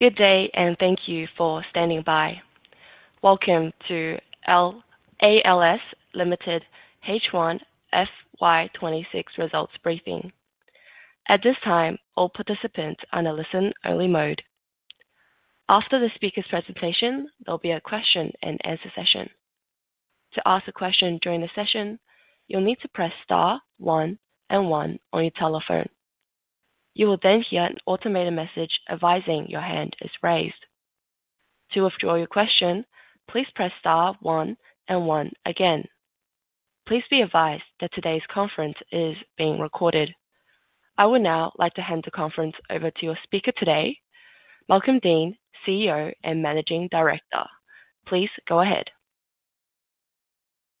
Good day, and thank you for standing by. Welcome to ALS Limited H1 FY 2026 Results Briefing. At this time, all participants are in a listen-only mode. After the speaker's presentation, there'll be a question-and-answer session. To ask a question during the session, you'll need to press star one and one on your telephone. You will then hear an automated message advising your hand is raised. To withdraw your question, please press star one and one again. Please be advised that today's conference is being recorded. I would now like to hand the conference over to your speaker today, Malcolm Deane, CEO and Managing Director. Please go ahead.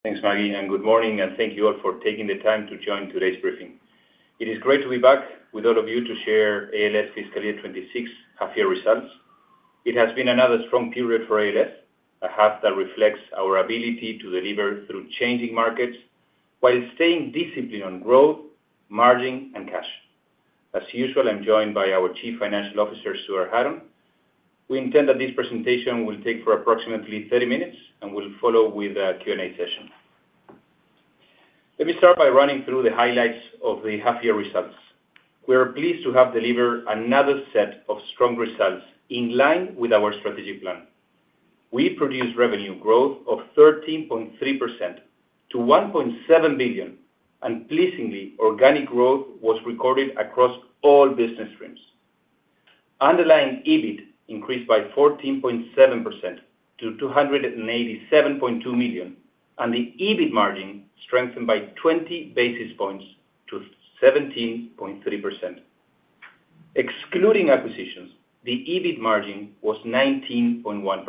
Thanks, Maggie, and good morning, and thank you all for taking the time to join today's briefing. It is great to be back with all of you to share ALS fiscal year 2026 half-year results. It has been another strong period for ALS, a half that reflects our ability to deliver through changing markets while staying disciplined on growth, margin, and cash. As usual, I'm joined by our Chief Financial Officer, Stuart Hutton. We intend that this presentation will take for approximately 30 minutes, and we'll follow with a Q&A session. Let me start by running through the highlights of the half-year results. We are pleased to have delivered another set of strong results in line with our strategic plan. We produced revenue growth of 13.3% to 1.7 billion, and pleasingly, organic growth was recorded across all business streams. Underlying EBIT increased by 14.7% to 287.2 million, and the EBIT margin strengthened by 20 basis points to 17.3%. Excluding acquisitions, the EBIT margin was 19.1%.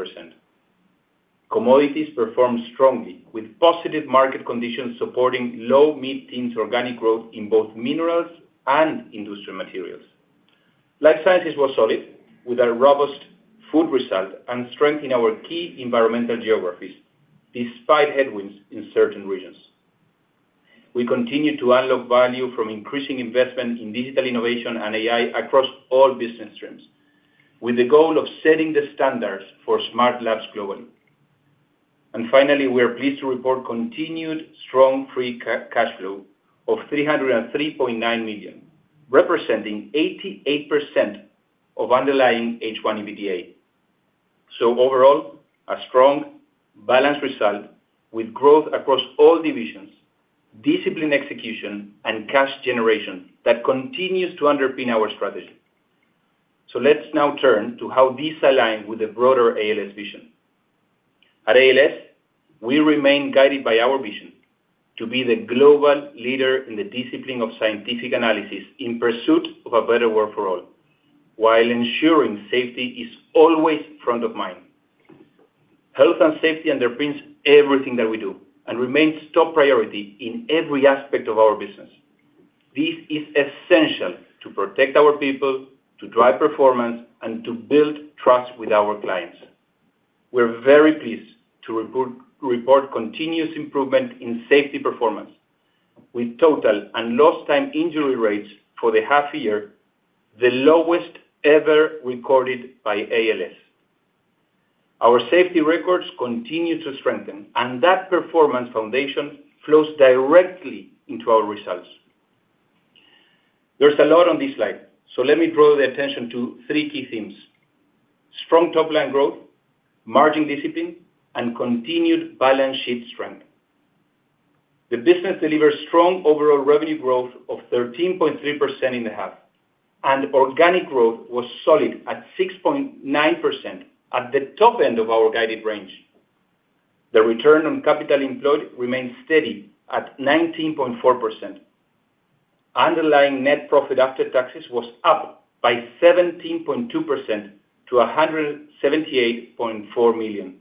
Commodities performed strongly, with positive market conditions supporting low, mid-teens organic growth in both minerals and industrial materials. Life sciences were solid, with a robust food result and strength in our key environmental geographies, despite headwinds in certain regions. We continue to unlock value from increasing investment in digital innovation and AI across all business streams, with the goal of setting the standards for smart labs globally. Finally, we are pleased to report continued strong free cash flow of 303.9 million, representing 88% of underlying H1 EBITDA. Overall, a strong, balanced result with growth across all divisions, discipline execution, and cash generation that continues to underpin our strategy. Let's now turn to how this aligns with the broader ALS vision. At ALS, we remain guided by our vision to be the global leader in the discipline of scientific analysis in pursuit of a better world for all, while ensuring safety is always front of mind. Health and safety underpins everything that we do and remains top priority in every aspect of our business. This is essential to protect our people, to drive performance, and to build trust with our clients. We're very pleased to report continuous improvement in safety performance, with total and lost-time injury rates for the half-year the lowest ever recorded by ALS. Our safety records continue to strengthen, and that performance foundation flows directly into our results. There's a lot on this slide, so let me draw the attention to three key themes: strong top-line growth, margin discipline, and continued balance sheet strength. The business delivered strong overall revenue growth of 13.3% in the half, and organic growth was solid at 6.9%, at the top end of our guided range. The return on capital employed remained steady at 19.4%. Underlying net profit after taxes was up by 17.2% to 178.4 million.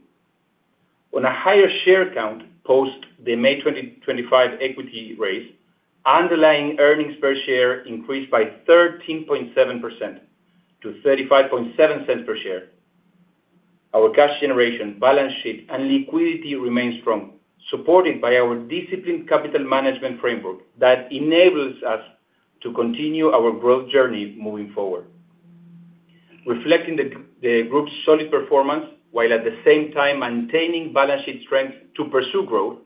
On a higher share count post the May 2025 equity raise, underlying earnings per share increased by 13.7% to 0.357 per share. Our cash generation, balance sheet, and liquidity remain strong, supported by our disciplined capital management framework that enables us to continue our growth journey moving forward. Reflecting the group's solid performance while at the same time maintaining balance sheet strength to pursue growth,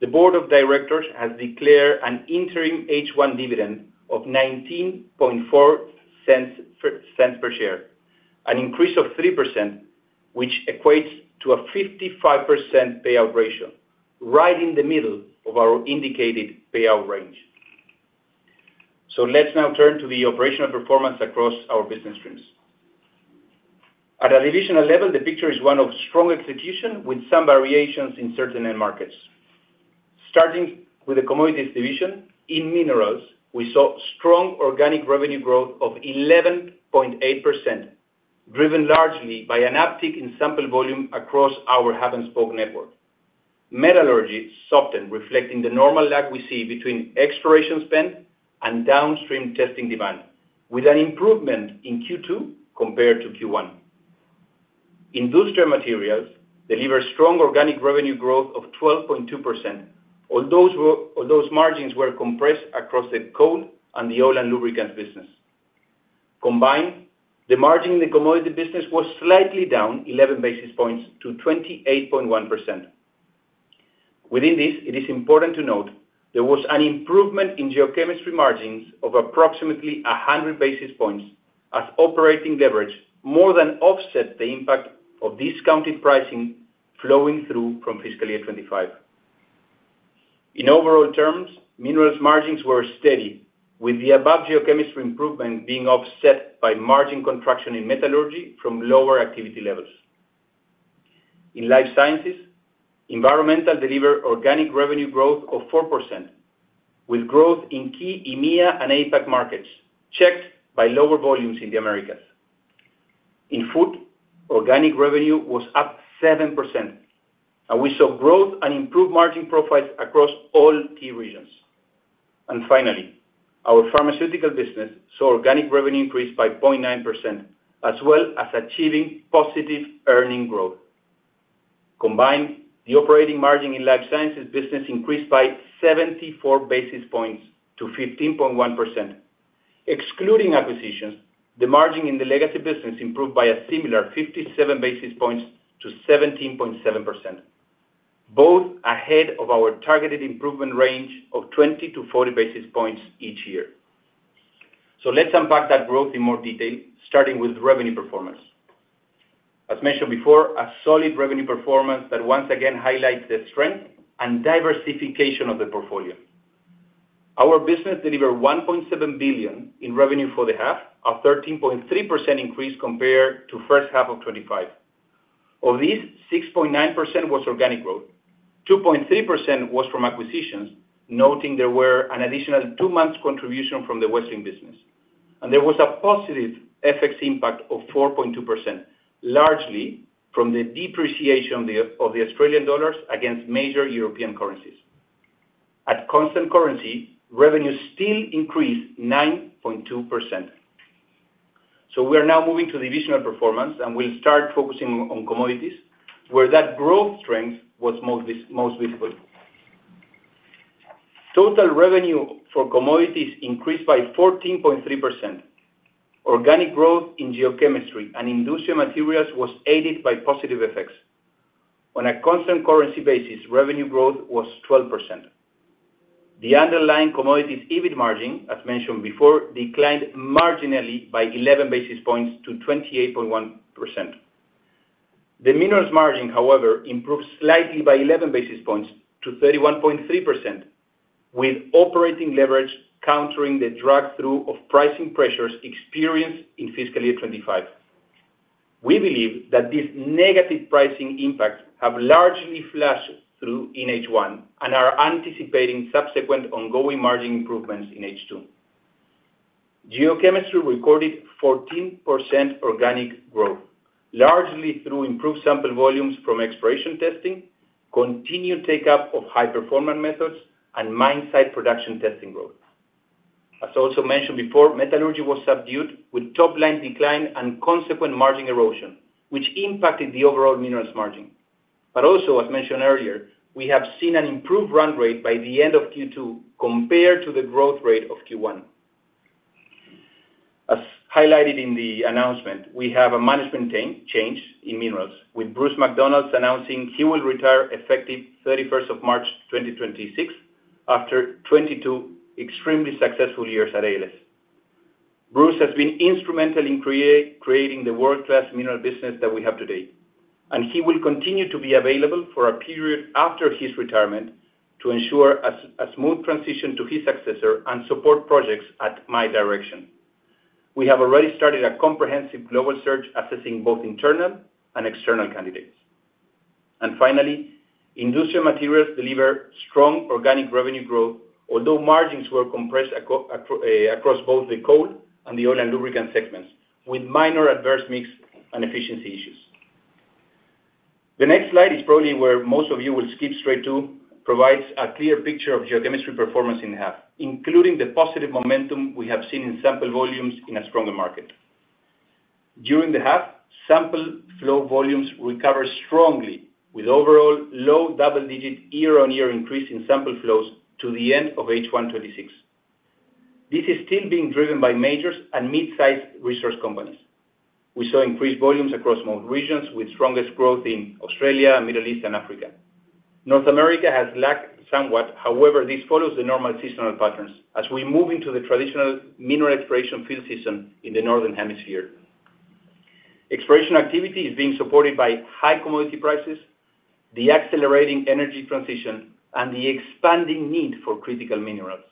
the board of directors has declared an interim H1 dividend of 0.194 per share, an increase of 3%, which equates to a 55% payout ratio, right in the middle of our indicated payout range. Let's now turn to the operational performance across our business streams. At a divisional level, the picture is one of strong execution with some variations in certain end markets. Starting with the commodities division, in minerals, we saw strong organic revenue growth of 11.8%, driven largely by an uptick in sample volume across our Hub and Spoke network. Metallurgy softened, reflecting the normal lag we see between exploration spend and downstream testing demand, with an improvement in Q2 compared to Q1. Industrial materials delivered strong organic revenue growth of 12.2%, although those margins were compressed across the coal and the oil and lubricants business. Combined, the margin in the commodity business was slightly down 11 basis points to 28.1%. Within this, it is important to note there was an improvement in geochemistry margins of approximately 100 basis points, as operating leverage more than offsets the impact of discounted pricing flowing through from fiscal year 2025. In overall terms, minerals' margins were steady, with the above geochemistry improvement being offset by margin contraction in metallurgy from lower activity levels. In life sciences, environmental delivered organic revenue growth of 4%, with growth in key EMEA and APAC markets checked by lower volumes in the Americas. In food, organic revenue was up 7%, and we saw growth and improved margin profiles across all key regions. Finally, our pharmaceutical business saw organic revenue increase by 0.9%, as well as achieving positive earning growth. Combined, the operating margin in life sciences business increased by 74 basis points to 15.1%. Excluding acquisitions, the margin in the legacy business improved by a similar 57 basis points to 17.7%, both ahead of our targeted improvement range of 20 basis points-40 basis points each year. Let's unpack that growth in more detail, starting with revenue performance. As mentioned before, a solid revenue performance that once again highlights the strength and diversification of the portfolio. Our business delivered 1.7 billion in revenue for the half, a 13.3% increase compared to the first half of 2025. Of these, 6.9% was organic growth. 2.3% was from acquisitions, noting there were an additional two-month contribution from the Wessling business. There was a positive FX impact of 4.2%, largely from the depreciation of the Australian dollars against major European currencies. At constant currency, revenue still increased 9.2%. We are now moving to divisional performance, and we'll start focusing on commodities, where that growth strength was most visible. Total revenue for commodities increased by 14.3%. Organic growth in geochemistry and industrial materials was aided by positive effects. On a constant currency basis, revenue growth was 12%. The underlying commodities EBIT margin, as mentioned before, declined marginally by 11 basis points to 28.1%. The minerals' margin, however, improved slightly by 11 basis points to 31.3%, with operating leverage countering the drag-through of pricing pressures experienced in fiscal year 2025. We believe that these negative pricing impacts have largely flashed through in H1 and are anticipating subsequent ongoing margin improvements in H2. Geochemistry recorded 14% organic growth, largely through improved sample volumes from exploration testing, continued take-up of high-performance methods, and mine-site production testing growth. As also mentioned before, metallurgy was subdued with top-line decline and consequent margin erosion, which impacted the overall minerals' margin. As mentioned earlier, we have seen an improved run rate by the end of Q2 compared to the growth rate of Q1. As highlighted in the announcement, we have a management change in minerals, with Bruce McDonald announcing he will retire effective 31st of March 2026 after 22 extremely successful years at ALS. Bruce has been instrumental in creating the world-class mineral business that we have today, and he will continue to be available for a period after his retirement to ensure a smooth transition to his successor and support projects at my direction. We have already started a comprehensive global search assessing both internal and external candidates. Finally, industrial materials deliver strong organic revenue growth, although margins were compressed across both the coal and the oil and lubricant segments, with minor adverse mix and efficiency issues. The next slide is probably where most of you will skip straight to. It provides a clear picture of geochemistry performance in the half, including the positive momentum we have seen in sample volumes in a stronger market. During the half, sample flow volumes recovered strongly, with overall low double-digit year-on-year increase in sample flows to the end of H1 2026. This is still being driven by majors and mid-sized resource companies. We saw increased volumes across most regions, with strongest growth in Australia, the Middle East, and Africa. North America has lagged somewhat. However, this follows the normal seasonal patterns as we move into the traditional mineral exploration field season in the northern hemisphere. Exploration activity is being supported by high commodity prices, the accelerating energy transition, and the expanding need for critical minerals.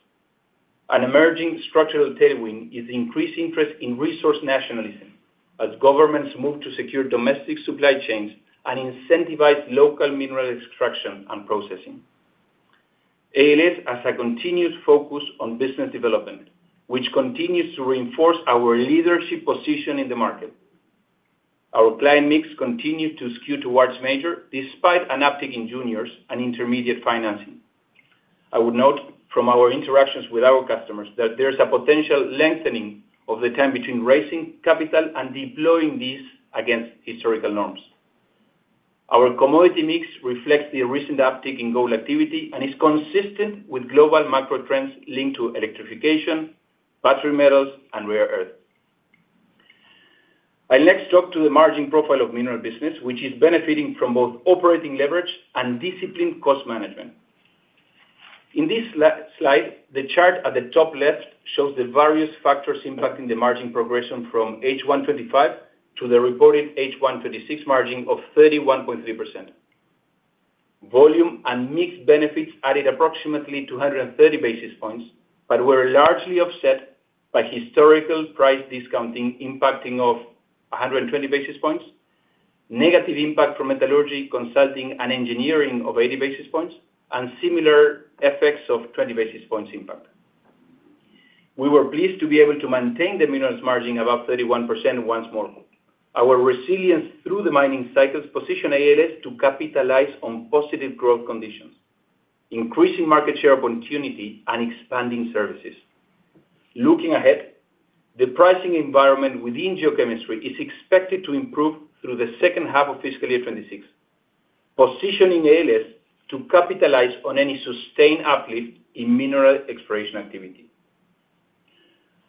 An emerging structural tailwind is the increased interest in resource nationalism as governments move to secure domestic supply chains and incentivize local mineral extraction and processing. ALS has a continued focus on business development, which continues to reinforce our leadership position in the market. Our client mix continues to skew towards major despite an uptick in juniors and intermediate financing. I would note from our interactions with our customers that there's a potential lengthening of the time between raising capital and deploying these against historical norms. Our commodity mix reflects the recent uptick in gold activity and is consistent with global macro trends linked to electrification, battery metals, and rare earth. I'll next talk to the margin profile of minerals business, which is benefiting from both operating leverage and disciplined cost management. In this slide, the chart at the top left shows the various factors impacting the margin progression from H1 2025 to the reported H1 2026 margin of 31.3%. Volume and mix benefits added approximately 230 basis points but were largely offset by historical price discounting impacting of 120 basis points, negative impact from metallurgy, consulting, and engineering of 80 basis points, and similar effects of 20 basis points impact. We were pleased to be able to maintain the minerals' margin above 31% once more. Our resilience through the mining cycles positioned ALS to capitalize on positive growth conditions, increasing market share opportunity, and expanding services. Looking ahead, the pricing environment within geochemistry is expected to improve through the second half of fiscal year 2026, positioning ALS to capitalize on any sustained uplift in mineral exploration activity.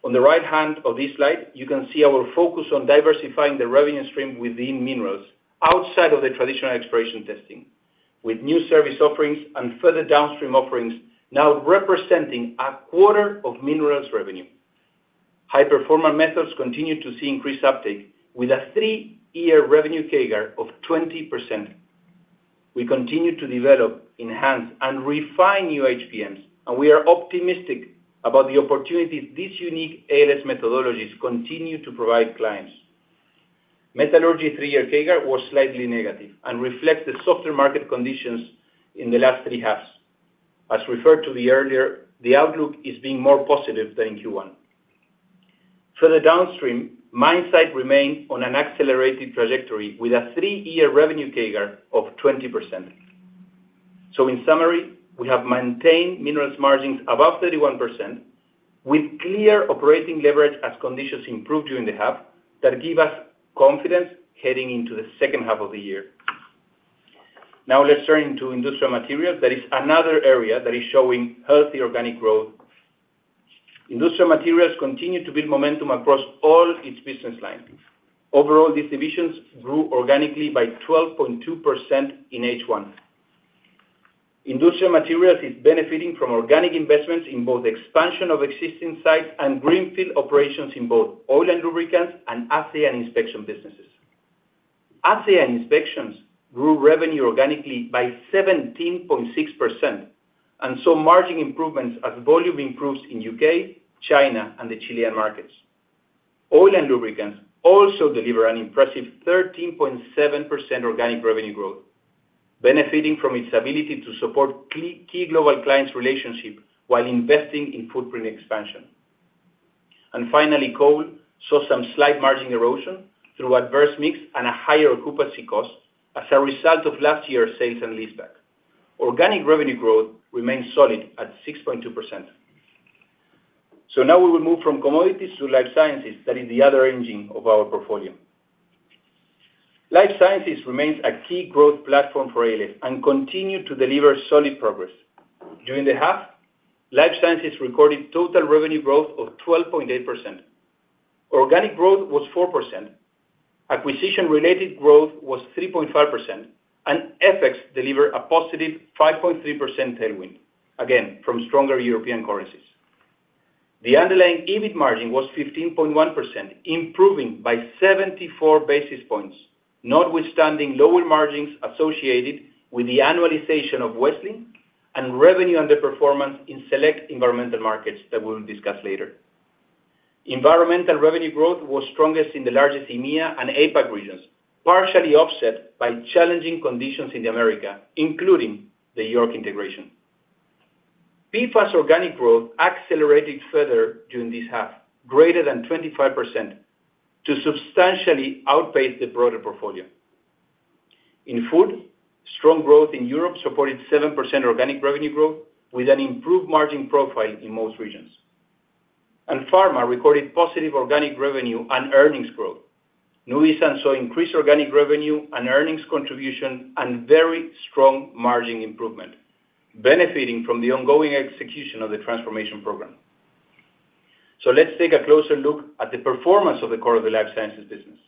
On the right hand of this slide, you can see our focus on diversifying the revenue stream within minerals outside of the traditional exploration testing, with new service offerings and further downstream offerings now representing a quarter of minerals' revenue. High-Performance Methods continue to see increased uptake with a three-year revenue CAGR of 20%. We continue to develop, enhance, and refine new HPMs, and we are optimistic about the opportunities these unique ALS methodologies continue to provide clients. Metallurgy's three-year CAGR was slightly negative and reflects the softer market conditions in the last three halves. As referred to earlier, the outlook is being more positive than in Q1. For the downstream, mine-site remained on an accelerated trajectory with a three-year revenue CAGR of 20%. In summary, we have maintained minerals' margins above 31% with clear operating leverage as conditions improved during the half that give us confidence heading into the second half of the year. Now let's turn into industrial materials. That is another area that is showing healthy organic growth. Industrial materials continue to build momentum across all its business lines. Overall, these divisions grew organically by 12.2% in H1. Industrial materials is benefiting from organic investments in both expansion of existing sites and greenfield operations in both oil and lubricants and ASEAN inspection businesses. ASEAN inspections grew revenue organically by 17.6% and saw margin improvements as volume improves in U.K., China, and the Chilean markets. Oil and lubricants also deliver an impressive 13.7% organic revenue growth, benefiting from its ability to support key global clients' relationships while investing in footprint expansion. Finally, coal saw some slight margin erosion through adverse mix and a higher occupancy cost as a result of last year's sales and leaseback. Organic revenue growth remains solid at 6.2%. Now we will move from commodities to life sciences. That is the other engine of our portfolio. Life sciences remains a key growth platform for ALS and continues to deliver solid progress. During the half, life sciences recorded total revenue growth of 12.8%. Organic growth was 4%. Acquisition-related growth was 3.5%, and FX delivered a positive 5.3% tailwind, again from stronger European currencies. The underlying EBIT margin was 15.1%, improving by 74 basis points, notwithstanding lower margins associated with the annualization of Wessling and revenue underperformance in select environmental markets that we will discuss later. Environmental revenue growth was strongest in the largest EMEA and APAC regions, partially offset by challenging conditions in America, including the York integration. PFAS organic growth accelerated further during this half, greater than 25%, to substantially outpace the broader portfolio. In food, strong growth in Europe supported 7% organic revenue growth with an improved margin profile in most regions. Pharma recorded positive organic revenue and earnings growth. Nuvisan saw increased organic revenue and earnings contribution and very strong margin improvement, benefiting from the ongoing execution of the transformation program. Let's take a closer look at the performance of the core of the life sciences business.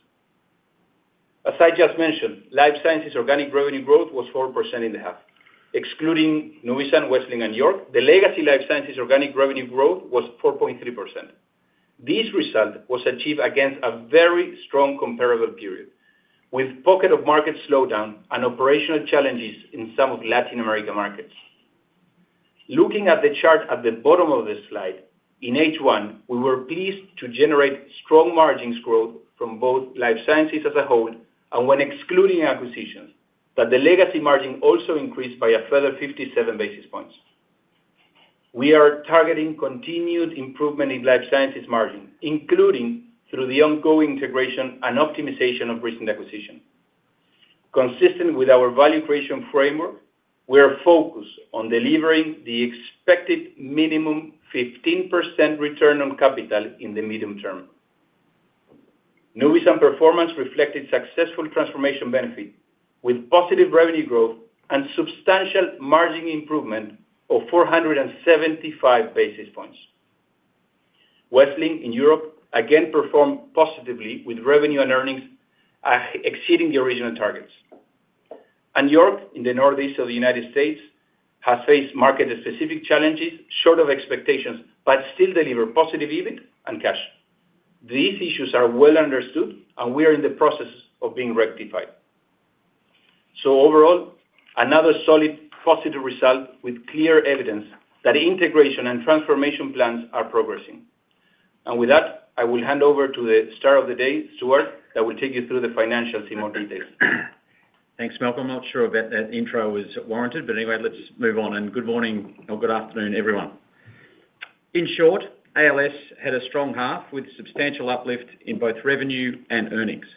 As I just mentioned, life sciences organic revenue growth was 4% in the half. Excluding Nuvisan, Wessling, and York, the legacy life sciences organic revenue growth was 4.3%. This result was achieved against a very strong comparable period, with pockets of market slowdown and operational challenges in some of Latin American markets. Looking at the chart at the bottom of this slide, in H1, we were pleased to generate strong margin growth from both life sciences as a whole and when excluding acquisitions, that the legacy margin also increased by a further 57 basis points. We are targeting continued improvement in life sciences margin, including through the ongoing integration and optimization of recent acquisitions. Consistent with our value creation framework, we are focused on delivering the expected minimum 15% return on capital in the medium term. Nuvisan's performance reflected successful transformation benefit with positive revenue growth and substantial margin improvement of 475 basis points. Wessling in Europe again performed positively with revenue and earnings exceeding the original targets. And York in the northeast of the United States has faced market-specific challenges short of expectations but still delivered positive EBIT and cash. These issues are well understood, and we are in the process of being rectified. Overall, another solid positive result with clear evidence that integration and transformation plans are progressing. With that, I will hand over to the star of the day, Stuart, that will take you through the financials in more detail. Thanks, Malcolm. I'm not sure that intro was warranted, but anyway, let's move on. Good morning or good afternoon, everyone. In short, ALS had a strong half with substantial uplift in both revenue and earnings.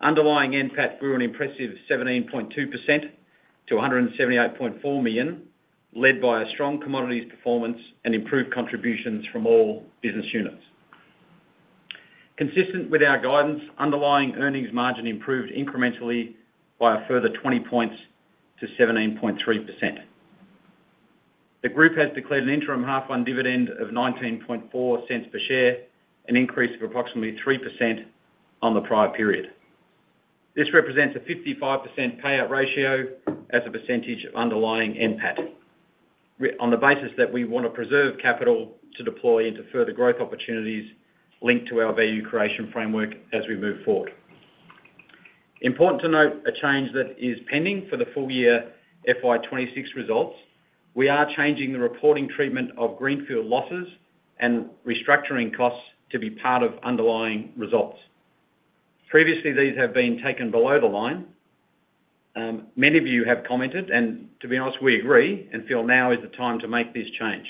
Underlying NPAT grew an impressive 17.2% to 178.4 million, led by a strong commodities performance and improved contributions from all business units. Consistent with our guidance, underlying earnings margin improved incrementally by a further 20 basis points to 17.3%. The group has declared an interim half-on dividend of 0.194 per share, an increase of approximately 3% on the prior period. This represents a 55% payout ratio as a percentage of underlying NPAT, on the basis that we want to preserve capital to deploy into further growth opportunities linked to our value creation framework as we move forward. Important to note a change that is pending for the full-year FY 2026 results. We are changing the reporting treatment of greenfield losses and restructuring costs to be part of underlying results. Previously, these have been taken below the line. Many of you have commented, and to be honest, we agree and feel now is the time to make this change.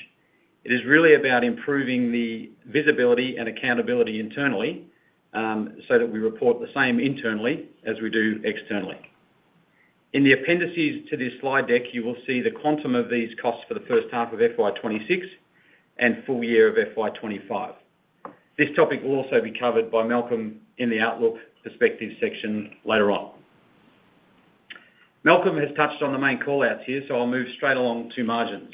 It is really about improving the visibility and accountability internally so that we report the same internally as we do externally. In the appendices to this slide deck, you will see the quantum of these costs for the first half of FY 2026 and full year of FY 2025. This topic will also be covered by Malcolm in the outlook perspective section later on. Malcolm has touched on the main callouts here, so I'll move straight along to margins.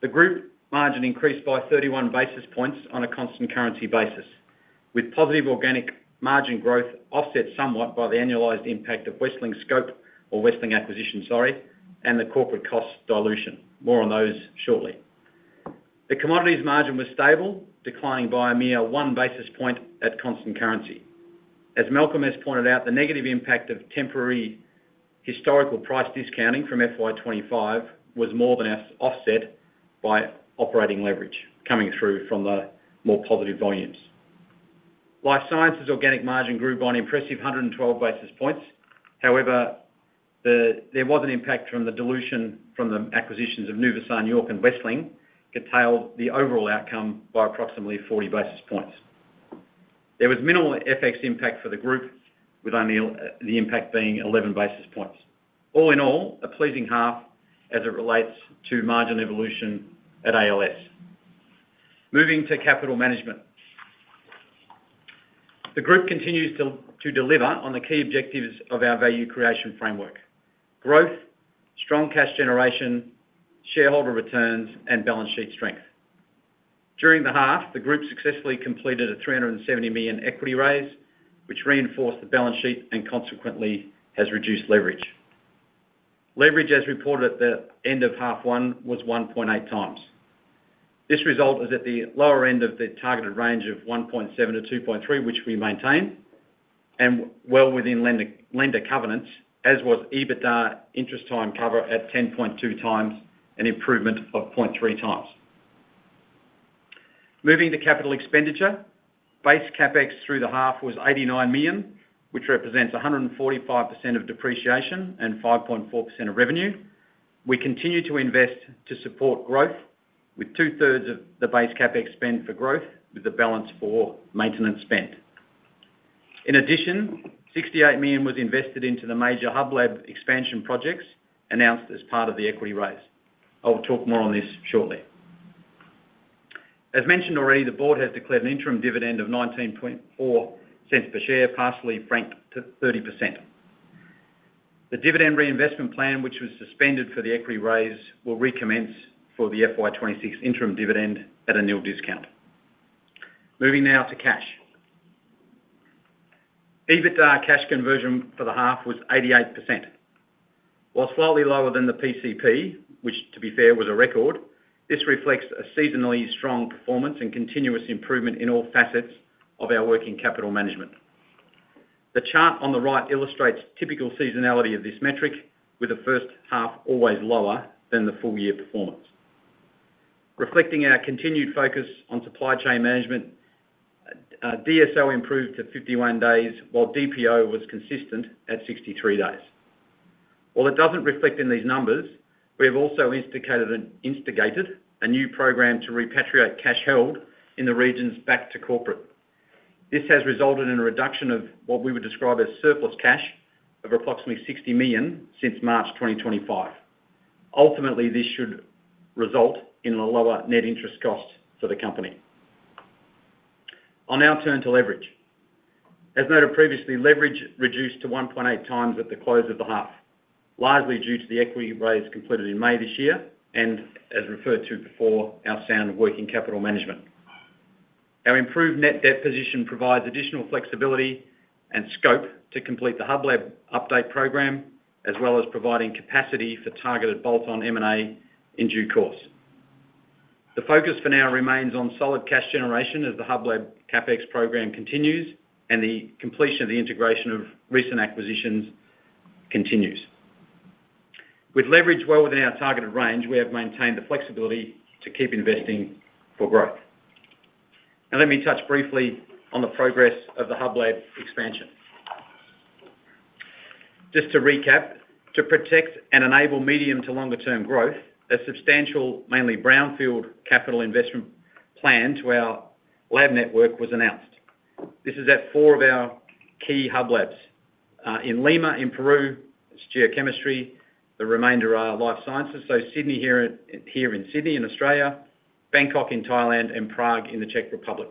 The group margin increased by 31 basis points on a constant currency basis, with positive organic margin growth offset somewhat by the annualized impact of Wessling scope or Wessling acquisition, sorry, and the corporate costs dilution. More on those shortly. The commodities margin was stable, declining by a mere one basis point at constant currency. As Malcolm has pointed out, the negative impact of temporary historical price discounting from FY 2025 was more than offset by operating leverage coming through from the more positive volumes. Life sciences organic margin grew by an impressive 112 basis points. However, there was an impact from the dilution from the acquisitions of Nuvisan, York Analytical, and Wessling that tailed the overall outcome by approximately 40 basis points. There was minimal FX impact for the group, with only the impact being 11 basis points. All in all, a pleasing half as it relates to margin evolution at ALS. Moving to capital management. The group continues to deliver on the key objectives of our value creation framework: growth, strong cash generation, shareholder returns, and balance sheet strength. During the half, the group successfully completed a 370 million equity raise, which reinforced the balance sheet and consequently has reduced leverage. Leverage, as reported at the end of half one, was 1.8x. This result is at the lower end of the targeted range of 1.7x-2.3x, which we maintain and well within lender covenants, as was EBITDA interest time cover at 10.2x, an improvement of 0.3x. Moving to capital expenditure, base CapEx through the half was 89 million, which represents 145% of depreciation and 5.4% of revenue. We continue to invest to support growth, with two-thirds of the base CapEx spent for growth, with the balance for maintenance spent. In addition, 68 million was invested into the major hub lab expansion projects announced as part of the equity raise. I will talk more on this shortly. As mentioned already, the board has declared an interim dividend of 0.194 per share, partially franked to 30%. The dividend reinvestment plan, which was suspended for the equity raise, will recommence for the FY 2026 interim dividend at a nil discount. Moving now to cash. EBITDA cash conversion for the half was 88%. While slightly lower than the PCP, which, to be fair, was a record, this reflects a seasonally strong performance and continuous improvement in all facets of our working capital management. The chart on the right illustrates typical seasonality of this metric, with the first half always lower than the full-year performance. Reflecting our continued focus on supply chain management, DSL improved to 51 days, while DPO was consistent at 63 days. While it does not reflect in these numbers, we have also instigated a new program to repatriate cash held in the regions back to corporate. This has resulted in a reduction of what we would describe as surplus cash of approximately 60 million since March 2025. Ultimately, this should result in a lower net interest cost for the company. I'll now turn to leverage. As noted previously, leverage reduced to 1.8x at the close of the half, largely due to the equity raise completed in May this year and, as referred to before, our sound working capital management. Our improved net debt position provides additional flexibility and scope to complete the hub lab update program, as well as providing capacity for targeted bolt-on M&A in due course. The focus for now remains on solid cash generation as the hub lab CapEx program continues and the completion of the integration of recent acquisitions continues. With leverage well within our targeted range, we have maintained the flexibility to keep investing for growth. Now let me touch briefly on the progress of the hub lab expansion. Just to recap, to protect and enable medium to longer-term growth, a substantial, mainly brownfield capital investment plan to our lab network was announced. This is at four of our key hub labs: in Lima, in Peru, it's geochemistry; the remainder are life sciences, so Sydney here in Sydney, in Australia; Bangkok in Thailand; and Prague in the Czech Republic.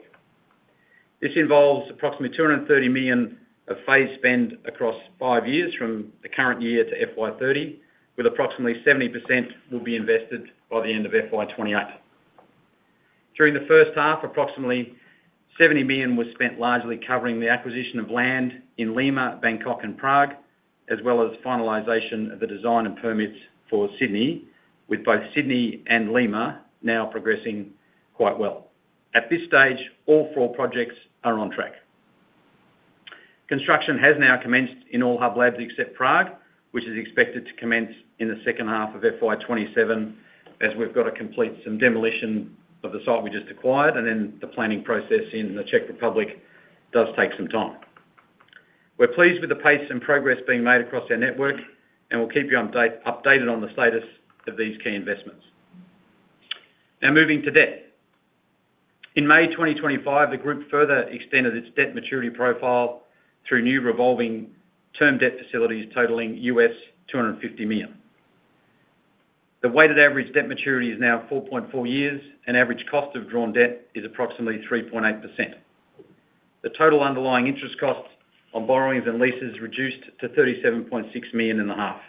This involves approximately 230 million of phase spend across five years from the current year to FY 2030, with approximately 70% will be invested by the end of FY 2028. During the first half, approximately 70 million was spent largely covering the acquisition of land in Lima, Bangkok, and Prague, as well as finalization of the design and permits for Sydney, with both Sydney and Lima now progressing quite well. At this stage, all four projects are on track. Construction has now commenced in all hub labs except Prague, which is expected to commence in the second half of FY 2027, as we've got to complete some demolition of the site we just acquired, and then the planning process in the Czech Republic does take some time. We're pleased with the pace and progress being made across our network, and we'll keep you updated on the status of these key investments. Now moving to debt. In May 2025, the group further extended its debt maturity profile through new revolving term debt facilities totaling $250 million. The weighted average debt maturity is now 4.4 years, and average cost of drawn debt is approximately 3.8%. The total underlying interest costs on borrowings and leases reduced to $37.6 million and a half.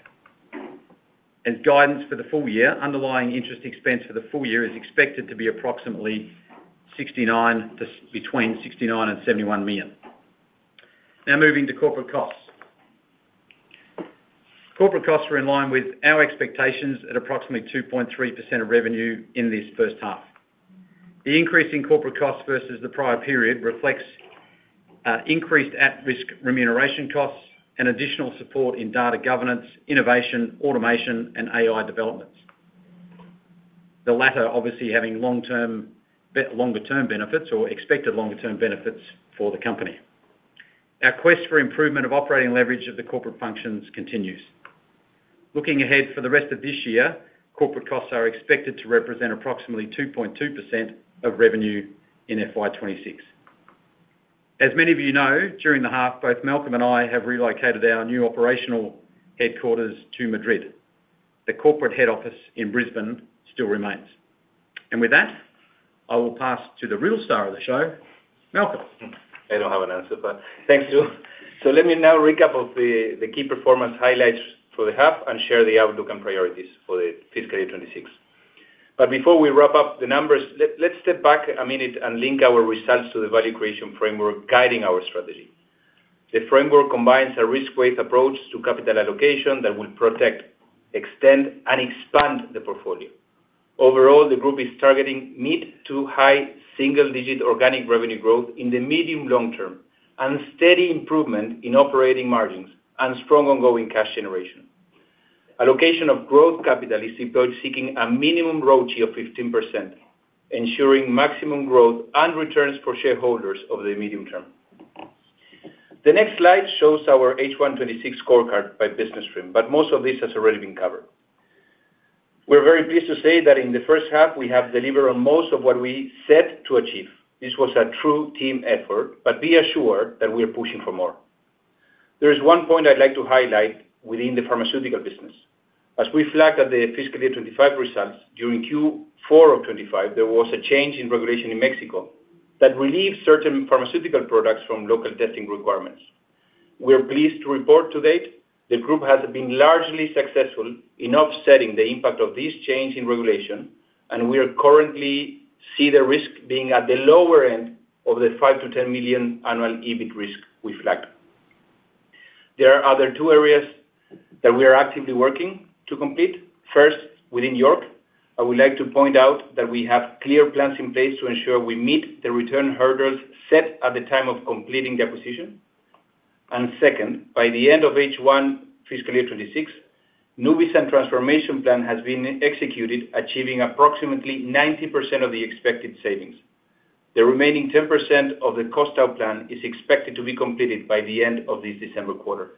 As guidance for the full year, underlying interest expense for the full year is expected to be approximately between 69 million and 71 million. Now moving to corporate costs. Corporate costs were in line with our expectations at approximately 2.3% of revenue in this first half. The increase in corporate costs versus the prior period reflects increased at-risk remuneration costs and additional support in data governance, innovation, automation, and AI developments, the latter obviously having longer-term benefits or expected longer-term benefits for the company. Our quest for improvement of operating leverage of the corporate functions continues. Looking ahead for the rest of this year, corporate costs are expected to represent approximately 2.2% of revenue in FY 2026. As many of you know, during the half, both Malcolm and I have relocated our new operational headquarters to Madrid. The corporate head office in Brisbane still remains. With that, I will pass to the real star of the show, Malcolm. I do not have an answer, but thanks, Stuart. Let me now recap the key performance highlights for the half and share the outlook and priorities for the fiscal year 2026. Before we wrap up the numbers, let's step back a minute and link our results to the value creation framework guiding our strategy. The framework combines a risk-weighted approach to capital allocation that will protect, extend, and expand the portfolio. Overall, the group is targeting mid to high single-digit organic revenue growth in the medium to long term and steady improvement in operating margins and strong ongoing cash generation. Allocation of growth capital is seeking a minimum return of 15%, ensuring maximum growth and returns for shareholders over the medium term. The next slide shows our H126 scorecard by business stream, but most of this has already been covered. We're very pleased to say that in the first half, we have delivered on most of what we set to achieve. This was a true team effort, but be assured that we are pushing for more. There is one point I'd like to highlight within the pharmaceutical business. As we flagged at the fiscal year 2025 results, during Q4 of 2025, there was a change in regulation in Mexico that relieved certain pharmaceutical products from local testing requirements. We are pleased to report to date the group has been largely successful in offsetting the impact of this change in regulation, and we currently see the risk being at the lower end of the $5 million-$10 million annual EBIT risk we flagged. There are other two areas that we are actively working to complete. First, within York, I would like to point out that we have clear plans in place to ensure we meet the return hurdles set at the time of completing the acquisition. Second, by the end of H1 fiscal year 2026, Nuvisan transformation plan has been executed, achieving approximately 90% of the expected savings. The remaining 10% of the cost-out plan is expected to be completed by the end of this December quarter.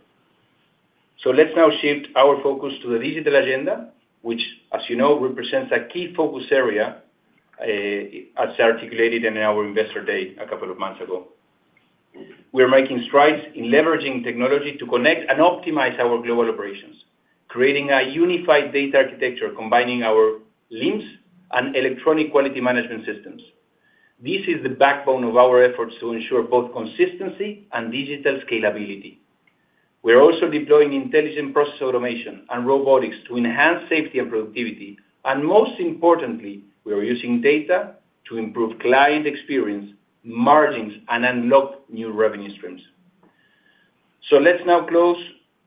Let's now shift our focus to the digital agenda, which, as you know, represents a key focus area, as articulated in our investor day a couple of months ago. We are making strides in leveraging technology to connect and optimize our global operations, creating a unified data architecture combining our LIMS and electronic quality management systems. This is the backbone of our efforts to ensure both consistency and digital scalability. We are also deploying intelligent process automation and robotics to enhance safety and productivity. Most importantly, we are using data to improve client experience, margins, and unlock new revenue streams. Let's now close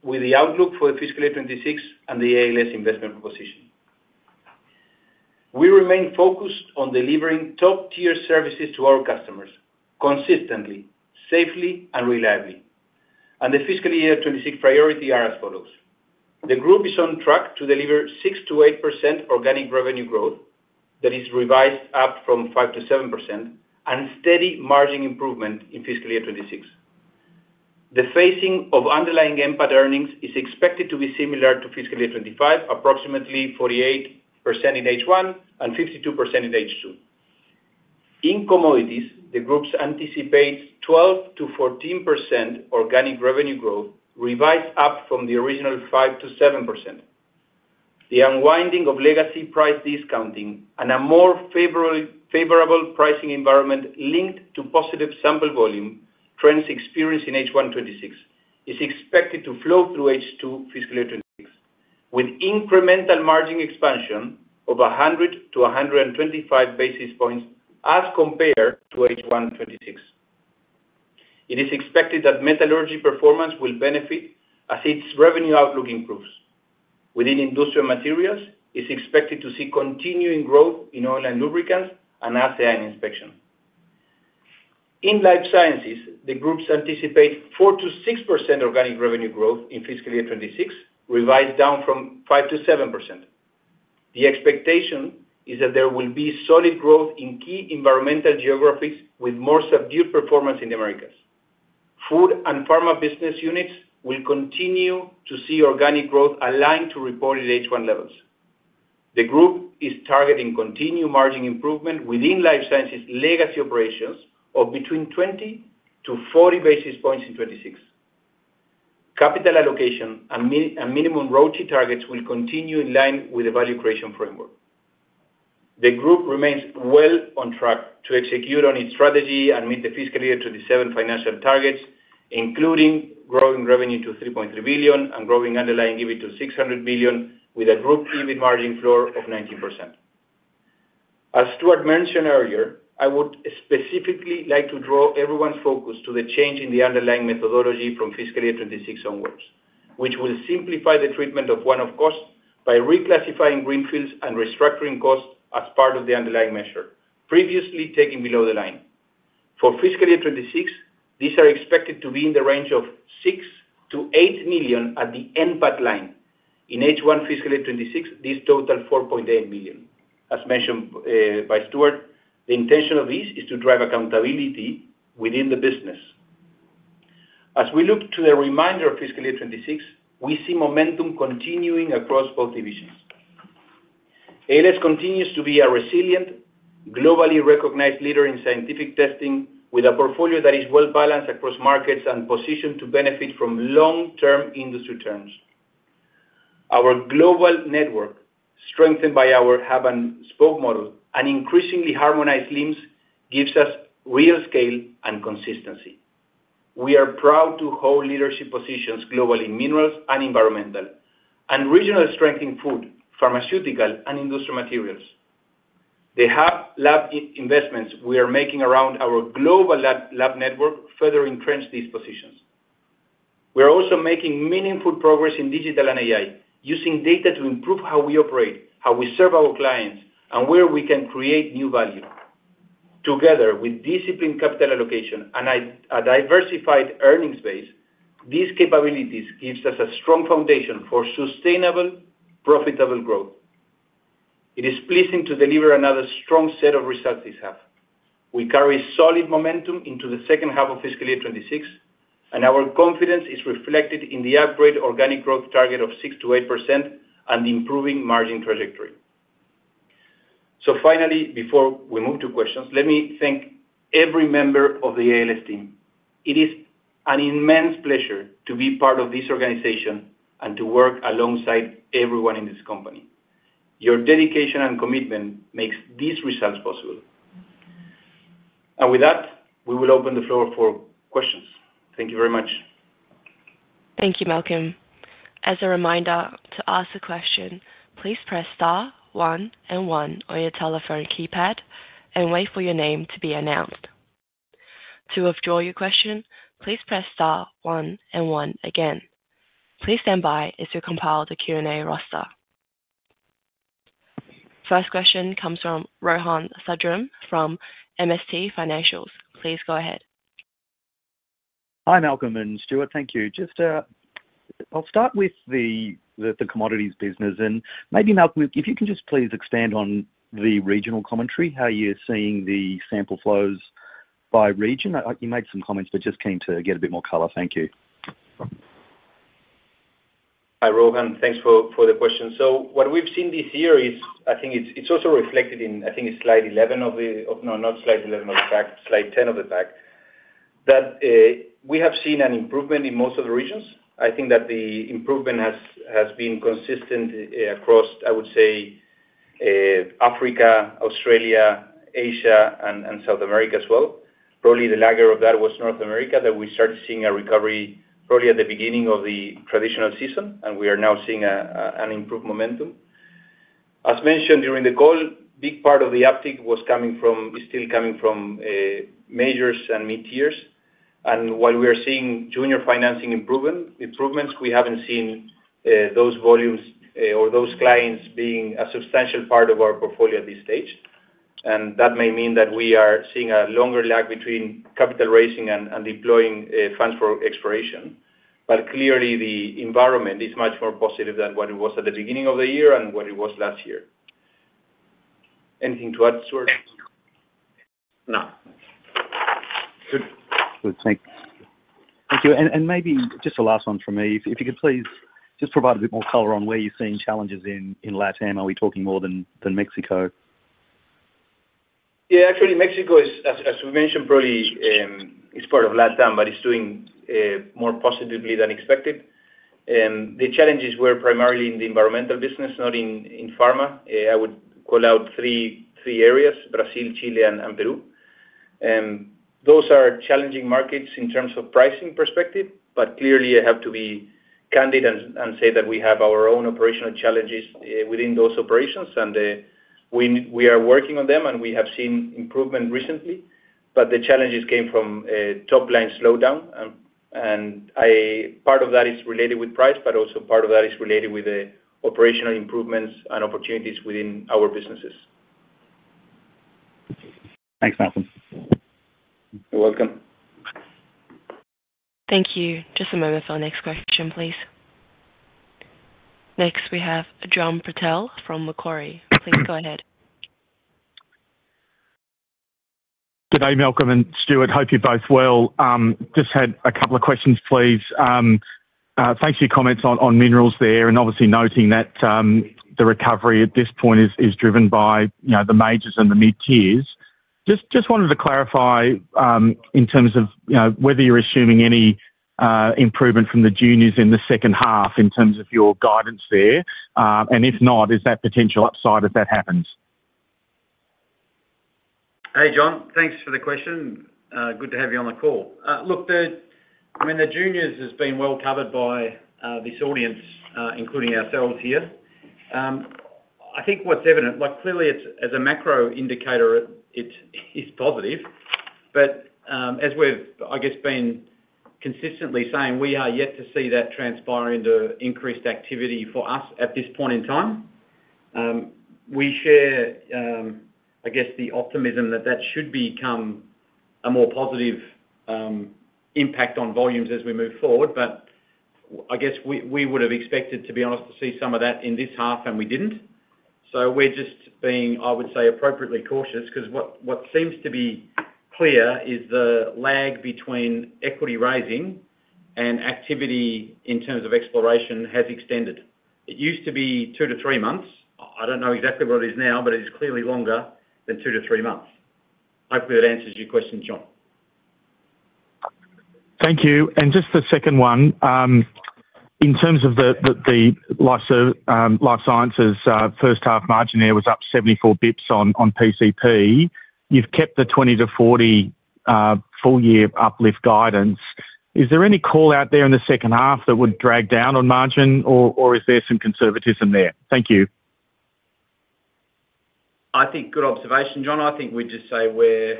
with the outlook for the fiscal year 2026 and the ALS investment proposition. We remain focused on delivering top-tier services to our customers consistently, safely, and reliably. The fiscal year 2026 priorities are as follows. The group is on track to deliver 6%-8% organic revenue growth that is revised up from 5%-7% and steady margin improvement in fiscal year 2026. The phasing of underlying NPAT earnings is expected to be similar to fiscal year 2025, approximately 48% in H1 and 52% in H2. In commodities, the groups anticipate 12%-14% organic revenue growth revised up from the original 5%-7%. The unwinding of legacy price discounting and a more favorable pricing environment linked to positive sample volume trends experienced in H1 2026 is expected to flow through H2 fiscal year 2026, with incremental margin expansion of 100 basis points-125 basis points as compared to H1 2026. It is expected that metallurgy performance will benefit as its revenue outlook improves. Within industrial materials, it is expected to see continuing growth in oil and lubricants and ASEAN inspection. In life sciences, the groups anticipate 4%-6% organic revenue growth in fiscal year 2026, revised down from 5%-7%. The expectation is that there will be solid growth in key environmental geographies with more subdued performance in the Americas. Food and pharma business units will continue to see organic growth aligned to reported H1 levels. The group is targeting continued margin improvement within life sciences legacy operations of between 20 basis points-40 basis points in 2026. Capital allocation and minimum royalty targets will continue in line with the value creation framework. The group remains well on track to execute on its strategy and meet the fiscal year 2027 financial targets, including growing revenue to 3.3 billion and growing underlying EBIT to 600 million, with a group EBIT margin floor of 19%. As Stuart mentioned earlier, I would specifically like to draw everyone's focus to the change in the underlying methodology from fiscal year 2026 onwards, which will simplify the treatment of one-off costs by reclassifying Greenfields and restructuring costs as part of the underlying measure, previously taken below the line. For fiscal year 2026, these are expected to be in the range of 6 million-8 million at the NPAT line. In H1 fiscal year 2026, these total 4.8 million. As mentioned by Stuart, the intention of this is to drive accountability within the business. As we look to the remainder of fiscal year 2026, we see momentum continuing across both divisions. ALS continues to be a resilient, globally recognized leader in scientific testing, with a portfolio that is well balanced across markets and positioned to benefit from long-term industry trends. Our global network, strengthened by our hub and spoke model and increasingly harmonized LIMS, gives us real scale and consistency. We are proud to hold leadership positions globally in minerals and environmental and regional strength in food, pharmaceutical, and industrial materials. The hub lab investments we are making around our global lab network further entrench these positions. We are also making meaningful progress in digital and AI, using data to improve how we operate, how we serve our clients, and where we can create new value. Together with disciplined capital allocation and a diversified earnings base, these capabilities give us a strong foundation for sustainable, profitable growth. It is pleasing to deliver another strong set of results this half. We carry solid momentum into the second half of fiscal year 2026, and our confidence is reflected in the upgrade organic growth target of 6%-8% and the improving margin trajectory. Finally, before we move to questions, let me thank every member of the ALS team. It is an immense pleasure to be part of this organization and to work alongside everyone in this company. Your dedication and commitment make these results possible. With that, we will open the floor for questions. Thank you very much. Thank you, Malcolm. As a reminder, to ask a question, please press star, one, and one on your telephone keypad and wait for your name to be announced. To withdraw your question, please press star, one, and one again. Please stand by as we compile the Q&A roster. First question comes from Rohan Sundram from MST Financials. Please go ahead. Hi, Malcolm and Stuart. Thank you. Just I'll start with the commodities business. Maybe, Malcolm, if you can just please expand on the regional commentary, how you're seeing the sample flows by region. You made some comments, but just keen to get a bit more color. Thank you. Hi, Rohan. Thanks for the question. What we've seen this year is, I think it's also reflected in, I think it's slide 11 of the, no, not slide 11 of the pack, slide 10 of the pack, that we have seen an improvement in most of the regions. I think that the improvement has been consistent across, I would say, Africa, Australia, Asia, and South America as well. Probably the laggard of that was North America, that we started seeing a recovery probably at the beginning of the traditional season, and we are now seeing an improved momentum. As mentioned during the call, a big part of the uptick was coming from, is still coming from majors and mid-tiers. While we are seeing junior financing improvements, we haven't seen those volumes or those clients being a substantial part of our portfolio at this stage. That may mean that we are seeing a longer lag between capital raising and deploying funds for exploration. Clearly, the environment is much more positive than what it was at the beginning of the year and what it was last year. Anything to add, Stuart? No. Good. Good. Thanks. Thank you. Maybe just the last one from me. If you could please just provide a bit more color on where you're seeing challenges in LATAM, are we talking more than Mexico? Yeah, actually, Mexico, as we mentioned, probably is part of LATAM, but it's doing more positively than expected. The challenges were primarily in the environmental business, not in pharma. I would call out three areas: Brazil, Chile, and Peru. Those are challenging markets in terms of pricing perspective, but clearly, I have to be candid and say that we have our own operational challenges within those operations, and we are working on them, and we have seen improvement recently. The challenges came from top-line slowdown, and part of that is related with price, but also part of that is related with the operational improvements and opportunities within our businesses. Thanks, Malcolm. You're welcome. Thank you. Just a moment for our next question, please. Next, we have John Patel from Macquarie. Please go ahead. Good day, Malcolm and Stuart. Hope you're both well. Just had a couple of questions, please. Thanks for your comments on minerals there, and obviously noting that the recovery at this point is driven by the majors and the mid-tiers. Just wanted to clarify in terms of whether you're assuming any improvement from the juniors in the second half in terms of your guidance there, and if not, is that potential upside if that happens? Hey, John. Thanks for the question. Good to have you on the call. Look, I mean, the juniors have been well covered by this audience, including ourselves here. I think what's evident, clearly, as a macro indicator, it is positive. As we've, I guess, been consistently saying, we are yet to see that transpire into increased activity for us at this point in time. We share, I guess, the optimism that that should become a more positive impact on volumes as we move forward. I guess we would have expected, to be honest, to see some of that in this half, and we didn't. We're just being, I would say, appropriately cautious because what seems to be clear is the lag between equity raising and activity in terms of exploration has extended. It used to be two to three months. I do not know exactly what it is now, but it is clearly longer than two to three months. Hopefully, that answers your question, John. Thank you. Just the second one. In terms of the life sciences, first half margin there was up 74 basis points on PCP. You have kept the 20-40 full-year uplift guidance. Is there any call out there in the second half that would drag down on margin, or is there some conservatism there? Thank you. I think good observation, John. I think we would just say we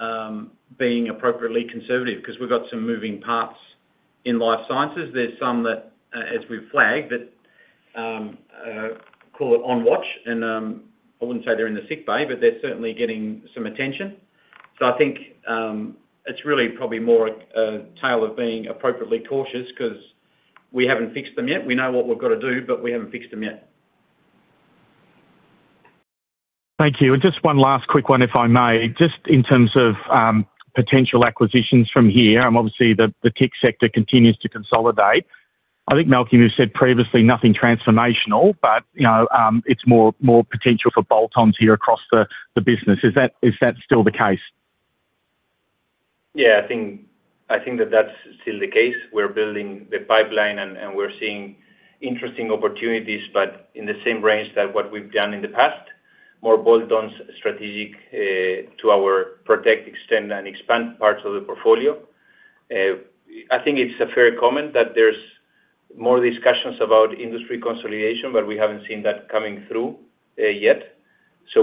are being appropriately conservative because we have got some moving parts in life sciences. There's some that, as we've flagged, that call it on watch. I wouldn't say they're in the sick bay, but they're certainly getting some attention. I think it's really probably more a tale of being appropriately cautious because we haven't fixed them yet. We know what we've got to do, but we haven't fixed them yet. Thank you. Just one last quick one, if I may, just in terms of potential acquisitions from here. Obviously, the tech sector continues to consolidate. I think, Malcolm, you've said previously, nothing transformational, but it's more potential for bolt-ons here across the business. Is that still the case? Yeah, I think that that's still the case. We're building the pipeline, and we're seeing interesting opportunities, but in the same range that what we've done in the past, more bolt-ons strategic to our protect, extend, and expand parts of the portfolio. I think it's fairly common that there's more discussions about industry consolidation, but we haven't seen that coming through yet.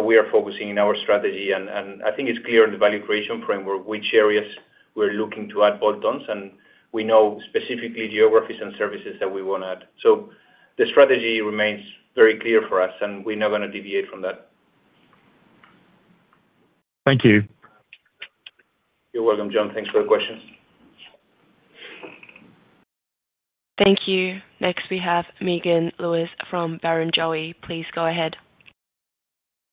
We are focusing in our strategy, and I think it's clear in the value creation framework which areas we're looking to add bolt-ons, and we know specifically geographies and services that we want to add. The strategy remains very clear for us, and we're not going to deviate from that. Thank you. You're welcome, John. Thanks for the questions. Thank you. Next, we have Megan Lewis from Barrenjoey. Please go ahead.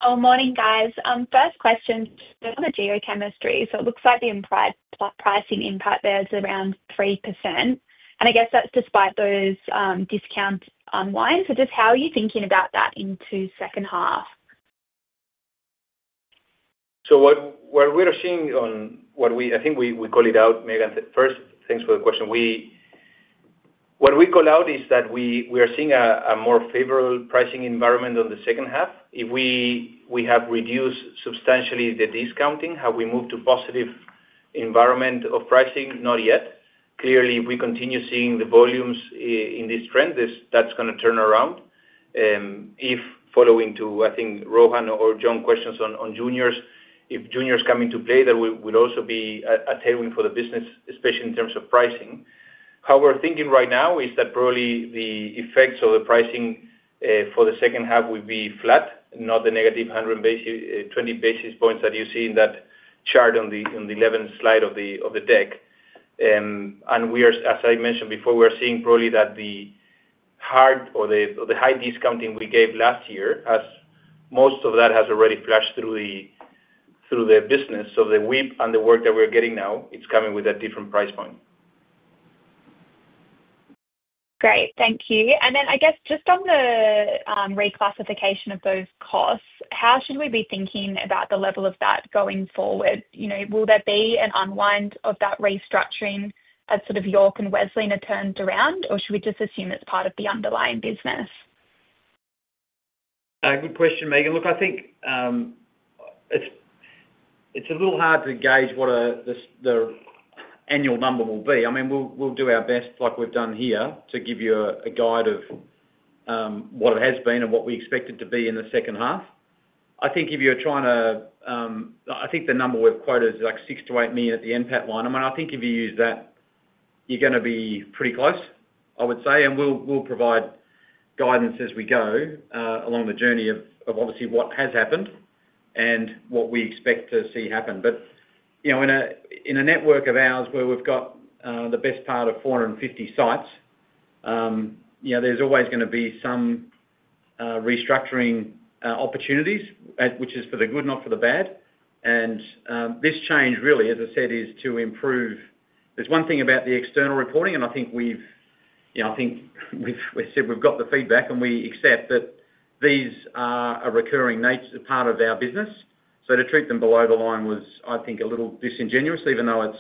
Oh, morning, guys. First question. On the geochemistry, it looks like the pricing impact there is around 3%. I guess that's despite those discounts on wine. Just how are you thinking about that into second half? What we're seeing on what we I think we call it out, Megan. First, thanks for the question. What we call out is that we are seeing a more favorable pricing environment on the second half. If we have reduced substantially the discounting, have we moved to a positive environment of pricing? Not yet. Clearly, if we continue seeing the volumes in this trend, that's going to turn around. If following to, I think, Rohan or John's questions on juniors, if juniors come into play, that will also be a tailwind for the business, especially in terms of pricing. How we're thinking right now is that probably the effects of the pricing for the second half will be flat, not the -120 basis points that you see in that chart on the 11th slide of the deck. As I mentioned before, we are seeing probably that the hard or the high discounting we gave last year, most of that has already flashed through the business. The WIP and the work that we are getting now, it is coming with a different price point. Great. Thank you. I guess just on the reclassification of those costs, how should we be thinking about the level of that going forward? Will there be an unwind of that restructuring as sort of York and Wessling are turned around, or should we just assume it is part of the underlying business? Good question, Megan. Look, I think it is a little hard to gauge what the annual number will be. I mean, we will do our best like we have done here to give you a guide of what it has been and what we expect it to be in the second half. I think if you're trying to, I think the number we've quoted is like 6 million-8 million at the NPAT line. I mean, I think if you use that, you're going to be pretty close, I would say. We will provide guidance as we go along the journey of obviously what has happened and what we expect to see happen. In a network of ours where we've got the best part of 450 sites, there's always going to be some restructuring opportunities, which is for the good, not for the bad. This change, really, as I said, is to improve. There's one thing about the external reporting, and I think we've, I think we've said we've got the feedback, and we accept that these are a recurring nature part of our business. To treat them below the line was, I think, a little disingenuous, even though it's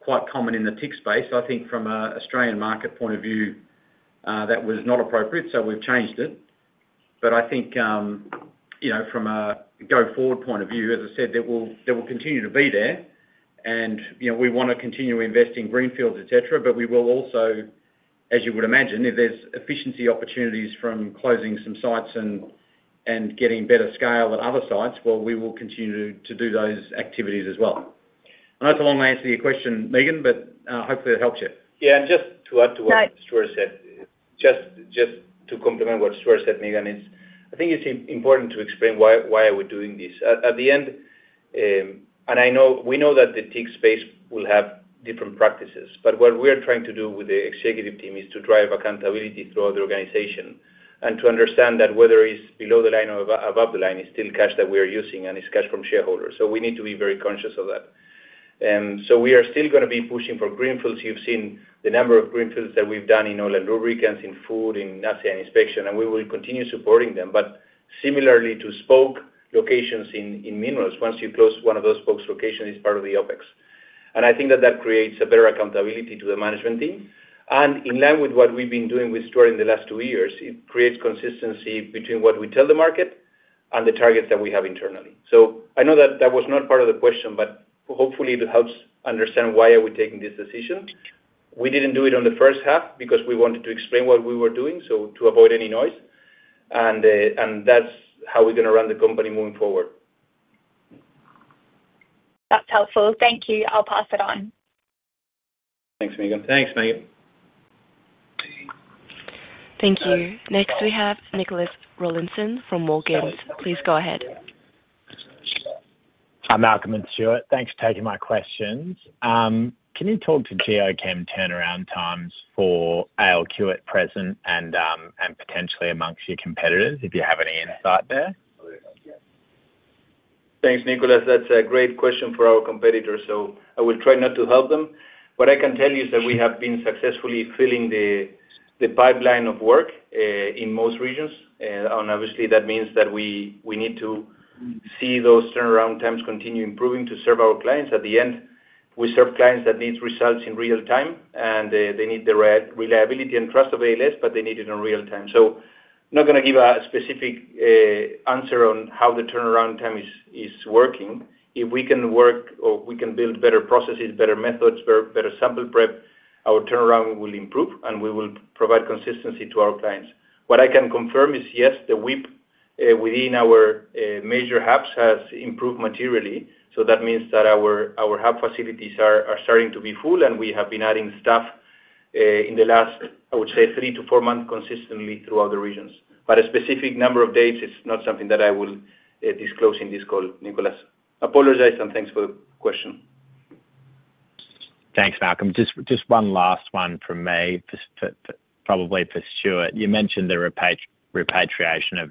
quite common in the tech space. I think from an Australian market point of view, that was not appropriate, so we've changed it. I think from a go-forward point of view, as I said, they will continue to be there. We want to continue investing in Greenfields, etc., but we will also, as you would imagine, if there's efficiency opportunities from closing some sites and getting better scale at other sites, we will continue to do those activities as well. I know it's a long answer to your question, Megan, but hopefully it helps you. Yeah. Just to add to what Stuart said, just to complement what Stuart said, Megan, I think it's important to explain why are we doing this. At the end, and we know that the tech space will have different practices, but what we are trying to do with the executive team is to drive accountability throughout the organization and to understand that whether it's below the line or above the line is still cash that we are using, and it's cash from shareholders. We need to be very conscious of that. We are still going to be pushing for Greenfields. You've seen the number of Greenfields that we've done in Rowland Rubric, and in food, in ASEAN inspection, and we will continue supporting them. Similarly to spoke locations in minerals, once you close one of those spoke locations, it's part of the OpEx. I think that that creates a better accountability to the management team. In line with what we've been doing with Stuart in the last two years, it creates consistency between what we tell the market and the targets that we have internally. I know that that was not part of the question, but hopefully it helps understand why are we taking this decision. We did not do it on the first half because we wanted to explain what we were doing, to avoid any noise. That is how we are going to run the company moving forward. That is helpful. Thank you. I'll pass it on. Thanks, Megan. Thanks, Megan. Thank you. Next, we have Nicholas Rawlinson from Morgans. Please go ahead. Hi, Malcolm and Stuart. Thanks for taking my questions. Can you talk to geochem turnaround times for ALW at present and potentially amongst your competitors, if you have any insight there? Thanks, Nicholas. That's a great question for our competitors, so I will try not to help them. What I can tell you is that we have been successfully filling the pipeline of work in most regions. Obviously, that means that we need to see those turnaround times continue improving to serve our clients. At the end, we serve clients that need results in real time, and they need the reliability and trust of ALS, but they need it in real time. I'm not going to give a specific answer on how the turnaround time is working. If we can work or we can build better processes, better methods, better sample prep, our turnaround will improve, and we will provide consistency to our clients. What I can confirm is, yes, the WIP within our major hubs has improved materially. That means that our hub facilities are starting to be full, and we have been adding staff in the last, I would say, three to four months consistently throughout the regions. A specific number of dates is not something that I will disclose in this call, Nicholas. Apologies and thanks for the question. Thanks, Malcolm. Just one last one from me, probably for Stuart. You mentioned the repatriation of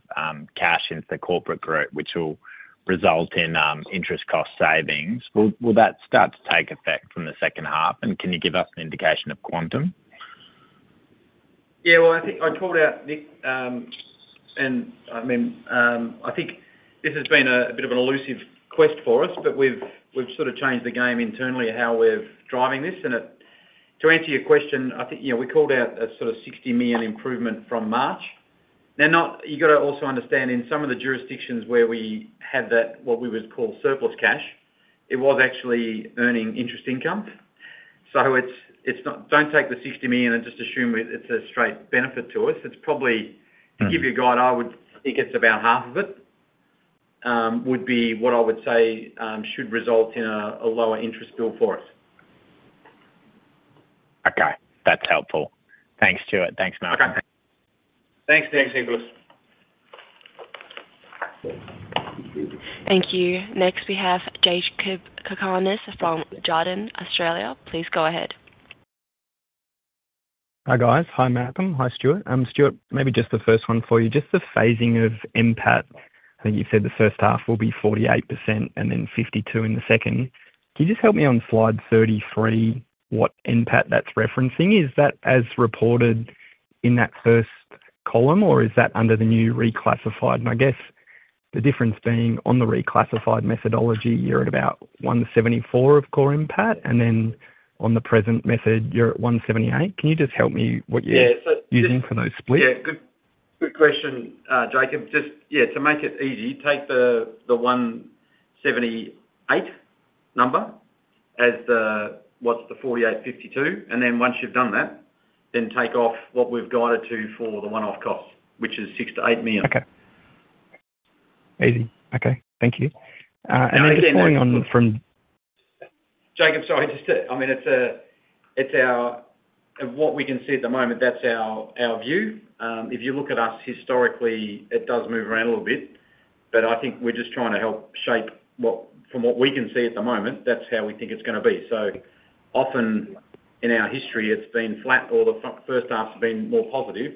cash into the corporate group, which will result in interest cost savings. Will that start to take effect from the second half? Can you give us an indication of quantum? Yeah. I think I called out Nick, and I mean, I think this has been a bit of an elusive quest for us, but we've sort of changed the game internally how we're driving this. To answer your question, I think we called out a sort of 60 million improvement from March. Now, you have to also understand in some of the jurisdictions where we had what we would call surplus cash, it was actually earning interest income. Do not take the 60 million and just assume it is a straight benefit to us. It is probably, to give you a guide, I would think about half of it would be what I would say should result in a lower interest bill for us. Okay. That is helpful. Thanks, Stuart. Thanks, Malcolm. Thanks. Thanks, Nicholas. Thank you. Next, we have Jakob Cakarnis from Jarden, Australia. Please go ahead. Hi, guys. Hi, Malcolm. Hi, Stuart. Stuart, maybe just the first one for you. Just the phasing of NPAT, I think you said the first half will be 48% and then 52% in the second. Can you just help me on slide 33, what NPAT that's referencing? Is that as reported in that first column, or is that under the new reclassified? I guess the difference being on the reclassified methodology, you're at about 174 of core impact, and then on the present method, you're at 178. Can you just help me what you're using for those splits? Yeah. Good question, Jakob. Just, yeah, to make it easy, take the 178 number as the what's the 4852. Once you've done that, then take off what we've guided to for the one-off costs, which is 6 million-8 million. Okay. Easy. Okay. Thank you. Following on from Jakob, sorry. I mean, it's our what we can see at the moment, that's our view. If you look at us historically, it does move around a little bit. I think we're just trying to help shape from what we can see at the moment, that's how we think it's going to be. So often in our history, it's been flat or the first half has been more positive.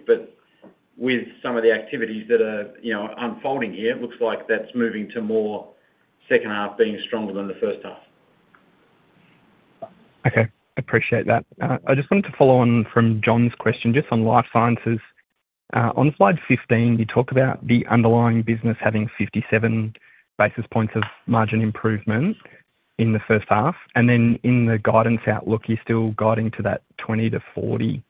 With some of the activities that are unfolding here, it looks like that's moving to more second half being stronger than the first half. Okay. Appreciate that. I just wanted to follow on from John's question just on life sciences. On slide 15, you talk about the underlying business having 57 basis points of margin improvement in the first half. In the guidance outlook, you're still guiding to that 20-40.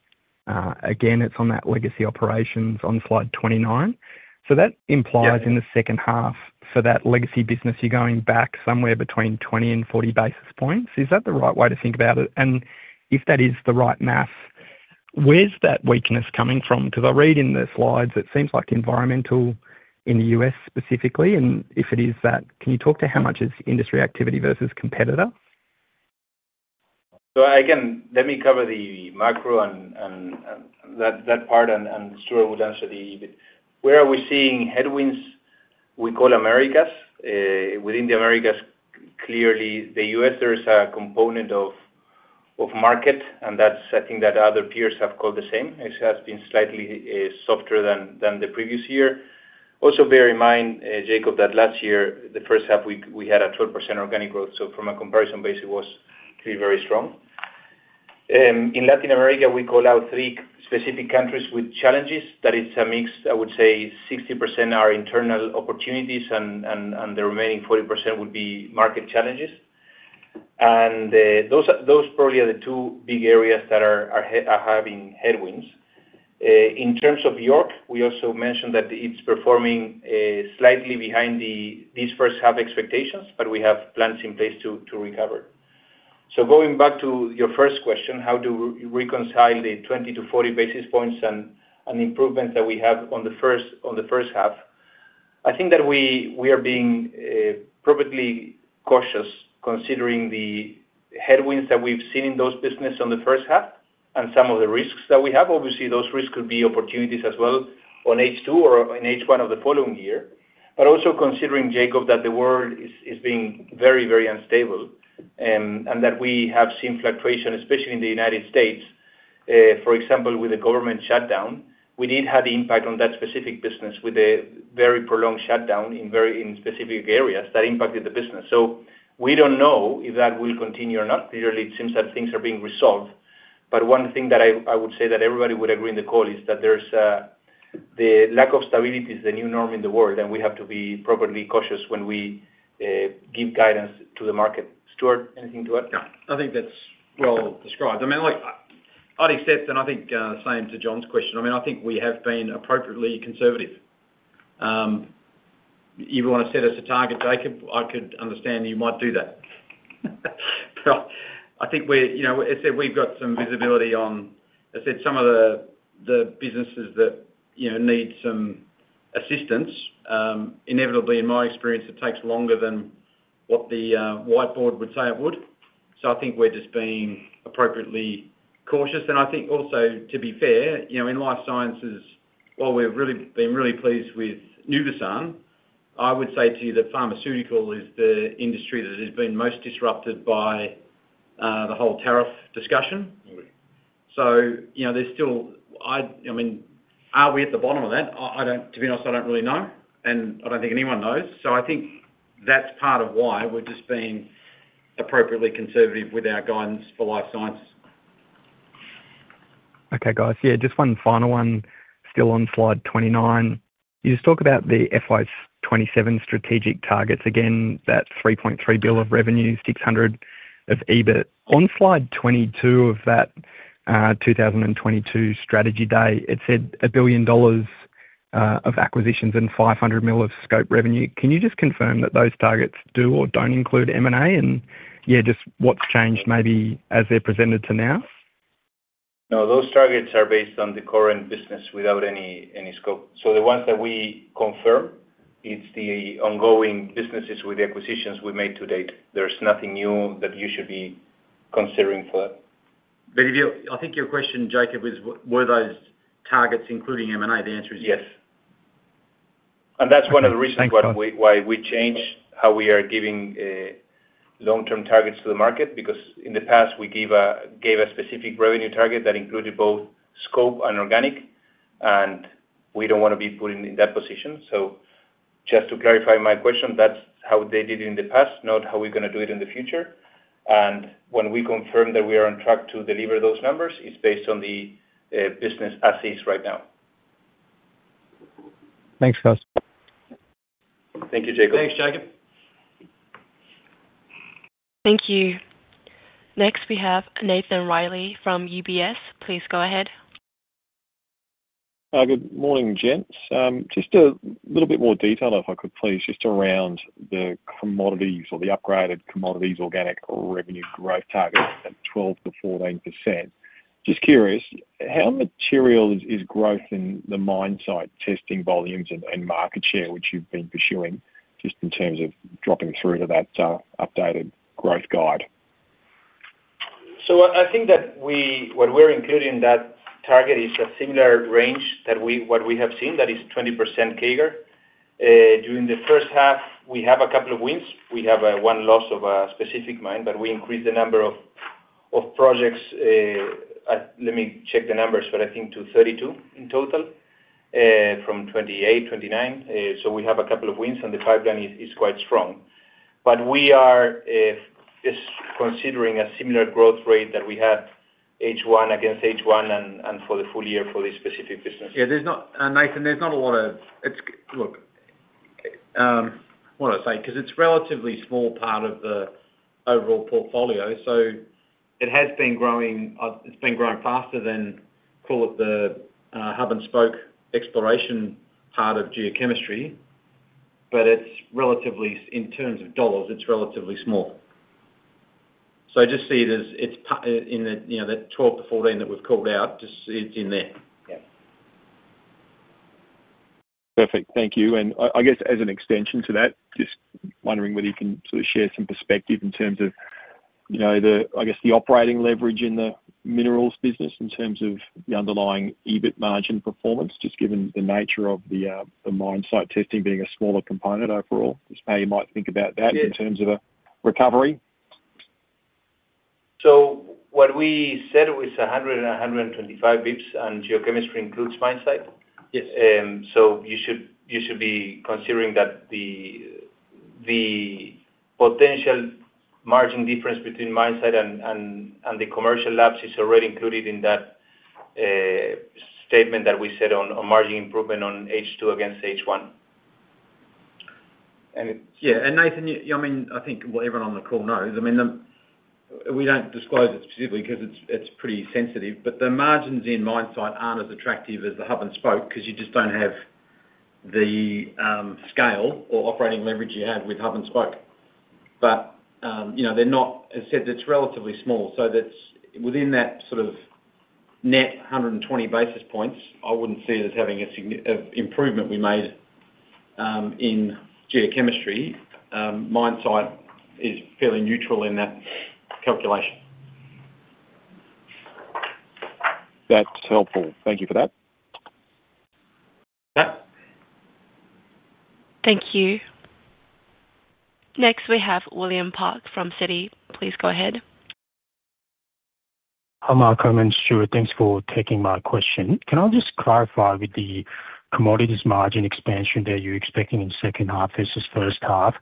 Again, it's on that legacy operations on slide 29. That implies in the second half for that legacy business, you're going back somewhere between 20 basis points and 40 basis points. Is that the right way to think about it? If that is the right math, where is that weakness coming from? Because I read in the slides, it seems like environmental in the U.S. specifically. If it is that, can you talk to how much is industry activity versus competitor? Again, let me cover the macro and that part, and Stuart will answer the where are we seeing headwinds we call Americas. Within the Americas, clearly, the U.S., there is a component of market, and that is setting that other peers have called the same. It has been slightly softer than the previous year. Also bear in mind, Jacob, that last year, the first half, we had a 12% organic growth. From a comparison base, it was very strong. In Latin America, we call out three specific countries with challenges. That is a mix. I would say 60% are internal opportunities, and the remaining 40% would be market challenges. Those probably are the two big areas that are having headwinds. In terms of York, we also mentioned that it is performing slightly behind these first-half expectations, but we have plans in place to recover. Going back to your first question, how do we reconcile the 20 basis points-40 basis points and improvements that we have on the first half? I think that we are being perfectly cautious considering the headwinds that we have seen in those businesses on the first half and some of the risks that we have. Obviously, those risks could be opportunities as well on H2 or on H1 of the following year. But also considering, Jacob, that the world is being very, very unstable and that we have seen fluctuation, especially in the U.S., for example, with the government shutdown. We did have the impact on that specific business with a very prolonged shutdown in specific areas that impacted the business. We do not know if that will continue or not. Clearly, it seems that things are being resolved. One thing that I would say that everybody would agree in the call is that the lack of stability is the new norm in the world, and we have to be properly cautious when we give guidance to the market. Stuart, anything to add? I think that is well described. I mean, like Adi said, and I think same to John's question. I mean, I think we have been appropriately conservative. If you want to set us a target, Jakob, I could understand you might do that. I think where I said we've got some visibility on, I said some of the businesses that need some assistance. Inevitably, in my experience, it takes longer than what the whiteboard would say it would. I think we're just being appropriately cautious. I think also, to be fair, in life sciences, while we've really been really pleased with Nuvisan, I would say to you that pharmaceutical is the industry that has been most disrupted by the whole tariff discussion. There's still, I mean, are we at the bottom of that? To be honest, I don't really know, and I don't think anyone knows. I think that's part of why we're just being appropriately conservative with our guidance for life sciences. Okay, guys. Yeah. Just one final one, still on slide 29. You just talk about the FY 2027 strategic targets. Again, that $3.3 billion of revenue, $600 million of EBIT. On slide 22 of that 2022 strategy day, it said $1 billion of acquisitions and $500 million of scope revenue. Can you just confirm that those targets do or do not include M&A? And yeah, just what has changed maybe as they are presented to now? No, those targets are based on the current business without any scope. So the ones that we confirm, it is the ongoing businesses with the acquisitions we made to date. There is nothing new that you should be considering for that. I think your question, Jakob, is where those targets including M&A? The answer is yes. That is one of the reasons why we change how we are giving long-term targets to the market because in the past, we gave a specific revenue target that included both scope and organic, and we do not want to be put in that position. Just to clarify my question, that is how they did it in the past, not how we are going to do it in the future. When we confirm that we are on track to deliver those numbers, it is based on the business as is right now. Thanks, guys. Thank you, Jakob. Thanks, Jakob. Thank you. Next, we have Nathan Riley from UBS. Please go ahead. Good morning, Jens. Just a little bit more detail, if I could please, just around the commodities or the upgraded commodities organic revenue growth target at 12%-14%. Just curious, how material is growth in the mine site testing volumes and market share, which you've been pursuing, just in terms of dropping through to that updated growth guide? I think that what we're including in that target is a similar range to what we have seen, that is 20% CAGR. During the first half, we have a couple of wins. We have one loss of a specific mine, but we increased the number of projects. Let me check the numbers, but I think to 32 in total from 28, 29. We have a couple of wins, and the pipeline is quite strong. We are considering a similar growth rate that we had H1 against H1 and for the full year for this specific business. Yeah. Nathan, there's not a lot of, look, what do I say? Because it's a relatively small part of the overall portfolio. It has been growing, it's been growing faster than, call it, the hub and spoke exploration part of geochemistry, but in terms of dollars, it's relatively small. I just see it in that 12-14 that we've called out, just it's in there. Yeah. Perfect. Thank you. I guess as an extension to that, just wondering whether you can sort of share some perspective in terms of, I guess, the operating leverage in the minerals business in terms of the underlying EBIT margin performance, just given the nature of the mine site testing being a smaller component overall. Just how you might think about that in terms of a recovery. What we said was 100 basis points and 125 basis points, and geochemistry includes mine site. You should be considering that the potential margin difference between mine site and the commercial labs is already included in that statement that we said on margin improvement on age two against age one. Yeah. And Nathan, I mean, I think everyone on the call knows. I mean, we do not disclose it specifically because it is pretty sensitive, but the margins in mine site are not as attractive as the hub and spoke because you just do not have the scale or operating leverage you have with hub and spoke. But they are not, as said, it is relatively small. Within that sort of net 120 basis points, I would not see it as having an improvement we made in geochemistry. Mine site is fairly neutral in that calculation. That is helpful. Thank you for that. Thank you. Next, we have William Park from Citi. Please go ahead. Hi, Malcolm and Stuart. Thanks for taking my question. Can I just clarify with the commodities margin expansion that you're expecting in the second half versus first half,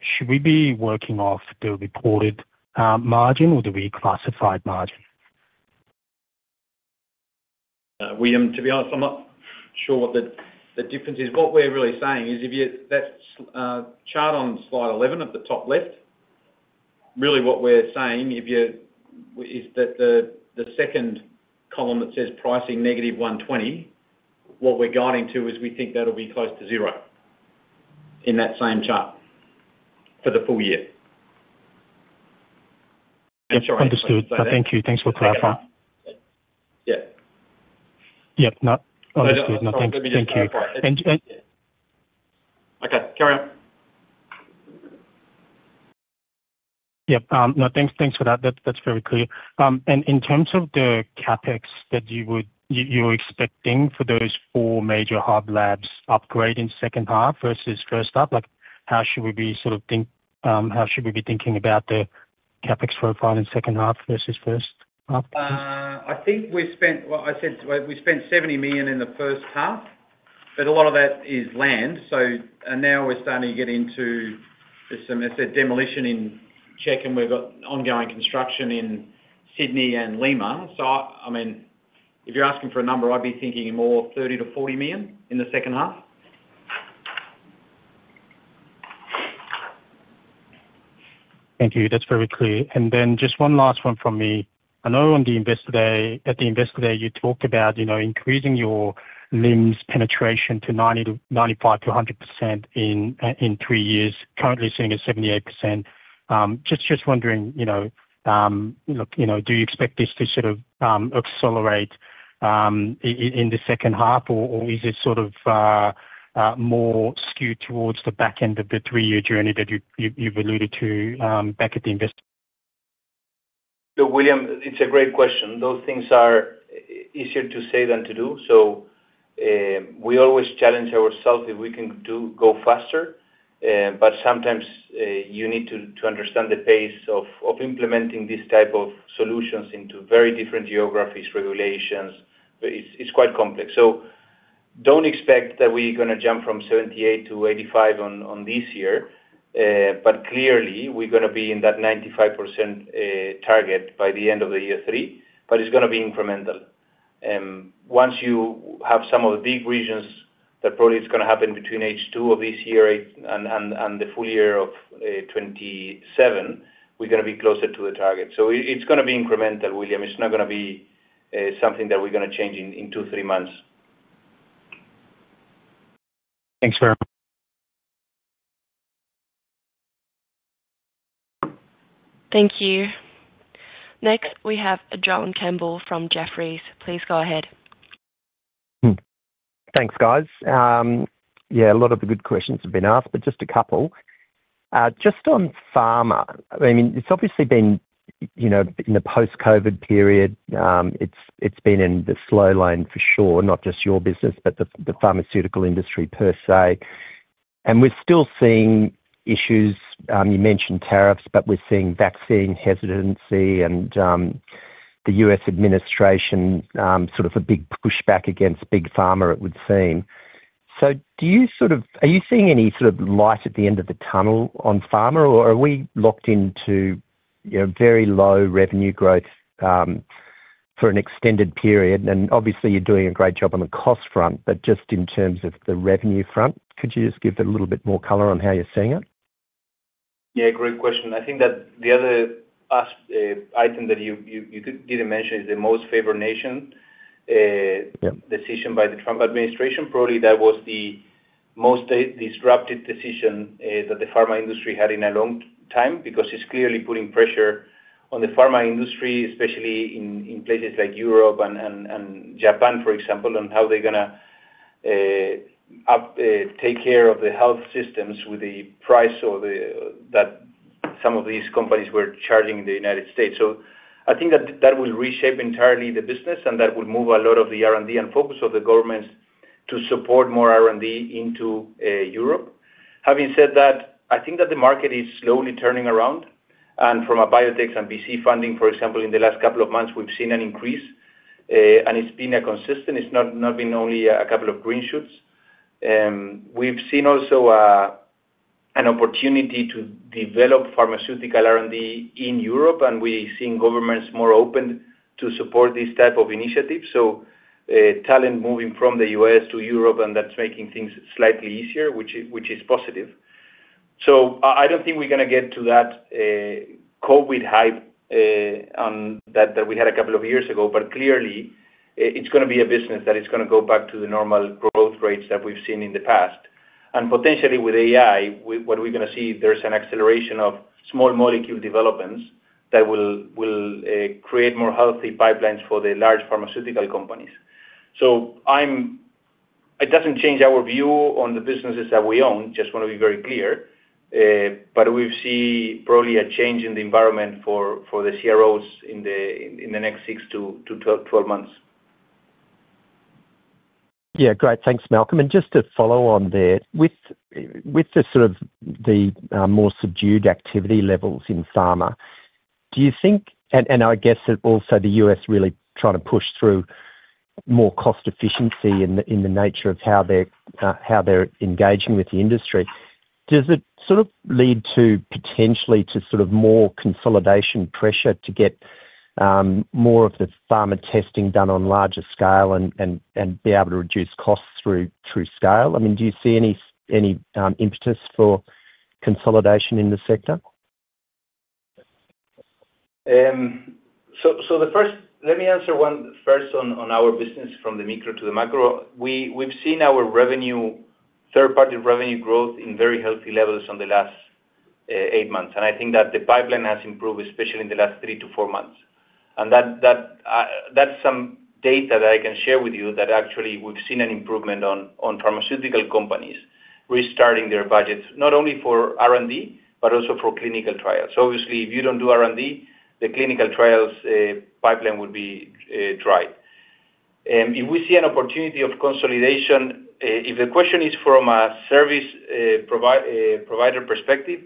should we be working off the reported margin or the reclassified margin? William, to be honest, I'm not sure what the difference is. What we're really saying is if you look at that chart on slide 11 at the top left, really what we're saying is that the second column that says pricing -120, what we're guiding to is we think that'll be close to zero in that same chart for the full year. I'm sorry. Understood. Thank you. Thanks for clarifying. Yeah. Yep. Understood. Nothing. Thank you. Okay. Carry on. Yep. No, thanks for that. That's very clear. In terms of the CapEx that you're expecting for those four major hub labs upgrade in second half versus first half, how should we be thinking about the CapEx profile in second half versus first half? I think we spent, what I said, we spent 70 million in the first half, but a lot of that is land. Now we're starting to get into some demolition in Czech and we've got ongoing construction in Sydney and Lima. I mean, if you're asking for a number, I'd be thinking more 30 million-40 million in the second half. Thank you. That's very clear. Just one last one from me. I know at the investor day, you talked about increasing your LIMS penetration to 95%-100% in three years, currently sitting at 78%. Just wondering, look, do you expect this to sort of accelerate in the second half, or is it sort of more skewed towards the back end of the three-year journey that you've alluded to back at the investor? William, it's a great question. Those things are easier to say than to do. We always challenge ourselves if we can go faster, but sometimes you need to understand the pace of implementing these type of solutions into very different geographies, regulations. It's quite complex. Do not expect that we're going to jump from 78% to 85% this year, but clearly, we're going to be in that 95% target by the end of year three, but it's going to be incremental. Once you have some of the big regions, that probably it's going to happen between H2 of this year and the full year of 2027, we're going to be closer to the target. So it's going to be incremental, William. It's not going to be something that we're going to change in two, three months. Thanks very much. Thank you. Next, we have John Campbell from Jefferies. Please go ahead. Thanks, guys. Yeah, a lot of the good questions have been asked, but just a couple. Just on pharma, I mean, it's obviously been in the post-COVID period. It's been in the slow lane for sure, not just your business, but the pharmaceutical industry per se. And we're still seeing issues. You mentioned tariffs, but we're seeing vaccine hesitancy and the U.S. administration sort of a big pushback against big pharma, it would seem. Do you sort of, are you seeing any sort of light at the end of the tunnel on pharma, or are we locked into very low revenue growth for an extended period? Obviously, you're doing a great job on the cost front, but just in terms of the revenue front, could you just give a little bit more color on how you're seeing it? Yeah, great question. I think that the other item that you did not mention is the most favored nation decision by the Trump administration. Probably that was the most disruptive decision that the pharma industry had in a long time because it is clearly putting pressure on the pharma industry, especially in places like Europe and Japan, for example, on how they are going to take care of the health systems with the price that some of these companies were charging in the United States. I think that that will reshape entirely the business, and that will move a lot of the R&D and focus of the governments to support more R&D into Europe. Having said that, I think that the market is slowly turning around. From a biotechs and VC funding, for example, in the last couple of months, we've seen an increase, and it's been consistent. It's not been only a couple of green shoots. We've seen also an opportunity to develop pharmaceutical R&D in Europe, and we're seeing governments more open to support these type of initiatives. Talent moving from the U.S. to Europe, and that's making things slightly easier, which is positive. I do not think we're going to get to that COVID hype that we had a couple of years ago, but clearly, it's going to be a business that is going to go back to the normal growth rates that we've seen in the past. Potentially with AI, what we're going to see, there's an acceleration of small molecule developments that will create more healthy pipelines for the large pharmaceutical companies. It does not change our view on the businesses that we own, just want to be very clear, but we've seen probably a change in the environment for the CROs in the next 6 months-12 months. Yeah. Great. Thanks, Malcolm. Just to follow on there, with sort of the more subdued activity levels in pharma, do you think, and I guess that also the U.S. really trying to push through more cost efficiency in the nature of how they're engaging with the industry, does it sort of lead to potentially more consolidation pressure to get more of the pharma testing done on larger scale and be able to reduce costs through scale? I mean, do you see any impetus for consolidation in the sector? Let me answer one first on our business from the micro to the macro. We've seen our third-party revenue growth in very healthy levels in the last eight months. I think that the pipeline has improved, especially in the last three to four months. That's some data that I can share with you that actually we've seen an improvement on pharmaceutical companies restarting their budgets, not only for R&D, but also for clinical trials. Obviously, if you don't do R&D, the clinical trials pipeline would be dried. If we see an opportunity of consolidation, if the question is from a service provider perspective,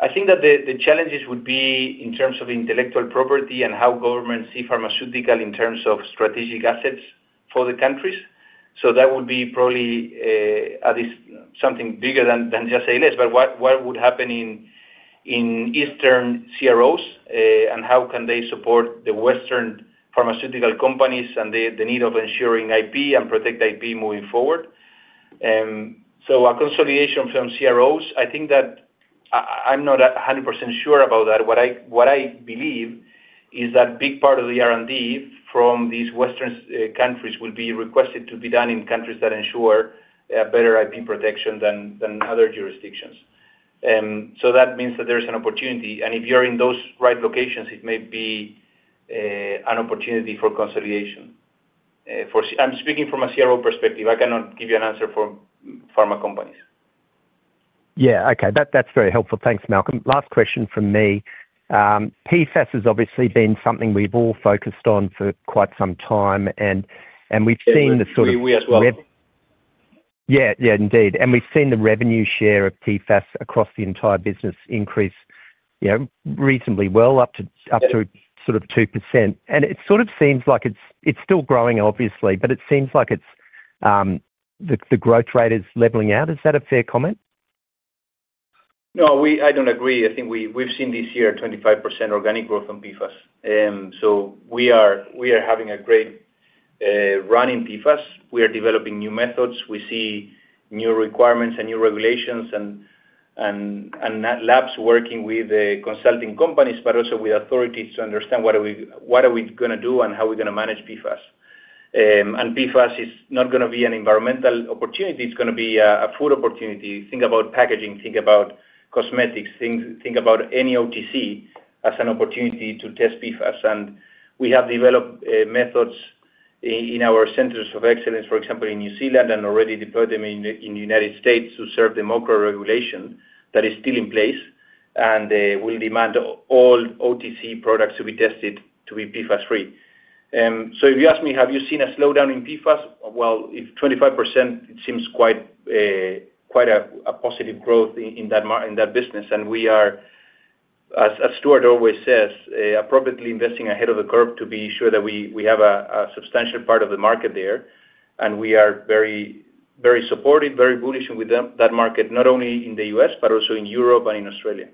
I think that the challenges would be in terms of intellectual property and how governments see pharmaceutical in terms of strategic assets for the countries. That would be probably something bigger than just ALS. What would happen in Eastern CROs, and how can they support the Western pharmaceutical companies and the need of ensuring IP and protect IP moving forward? A consolidation from CROs, I think that I'm not 100% sure about that. What I believe is that a big part of the R&D from these Western countries will be requested to be done in countries that ensure better IP protection than other jurisdictions. That means that there's an opportunity. If you're in those right locations, it may be an opportunity for consolidation. I'm speaking from a CRO perspective. I cannot give you an answer for pharma companies. Yeah. Okay. That's very helpful. Thanks, Malcolm. Last question from me. PFAS has obviously been something we've all focused on for quite some time, and we've seen the sort of. We as well. Yeah. Yeah, indeed. We've seen the revenue share of PFAS across the entire business increase reasonably well, up to sort of 2%. It sort of seems like it's still growing, obviously, but it seems like the growth rate is leveling out. Is that a fair comment? No, I don't agree. I think we've seen this year 25% organic growth on PFAS. We are having a great run in PFAS. We are developing new methods. We see new requirements and new regulations and labs working with consulting companies, but also with authorities to understand what are we going to do and how we're going to manage PFAS. PFAS is not going to be an environmental opportunity. It's going to be a food opportunity. Think about packaging. Think about cosmetics. Think about any OTC as an opportunity to test PFAS. We have developed methods in our centers of excellence, for example, in New Zealand, and already deployed them in the United States to serve the macro regulation that is still in place. It will demand all OTC products to be tested to be PFAS-free. If you ask me, have you seen a slowdown in PFAS? If 25%, it seems quite a positive growth in that business. We are, as Stuart always says, appropriately investing ahead of the curve to be sure that we have a substantial part of the market there. We are very supportive, very bullish with that market, not only in the U.S., but also in Europe and in Australia.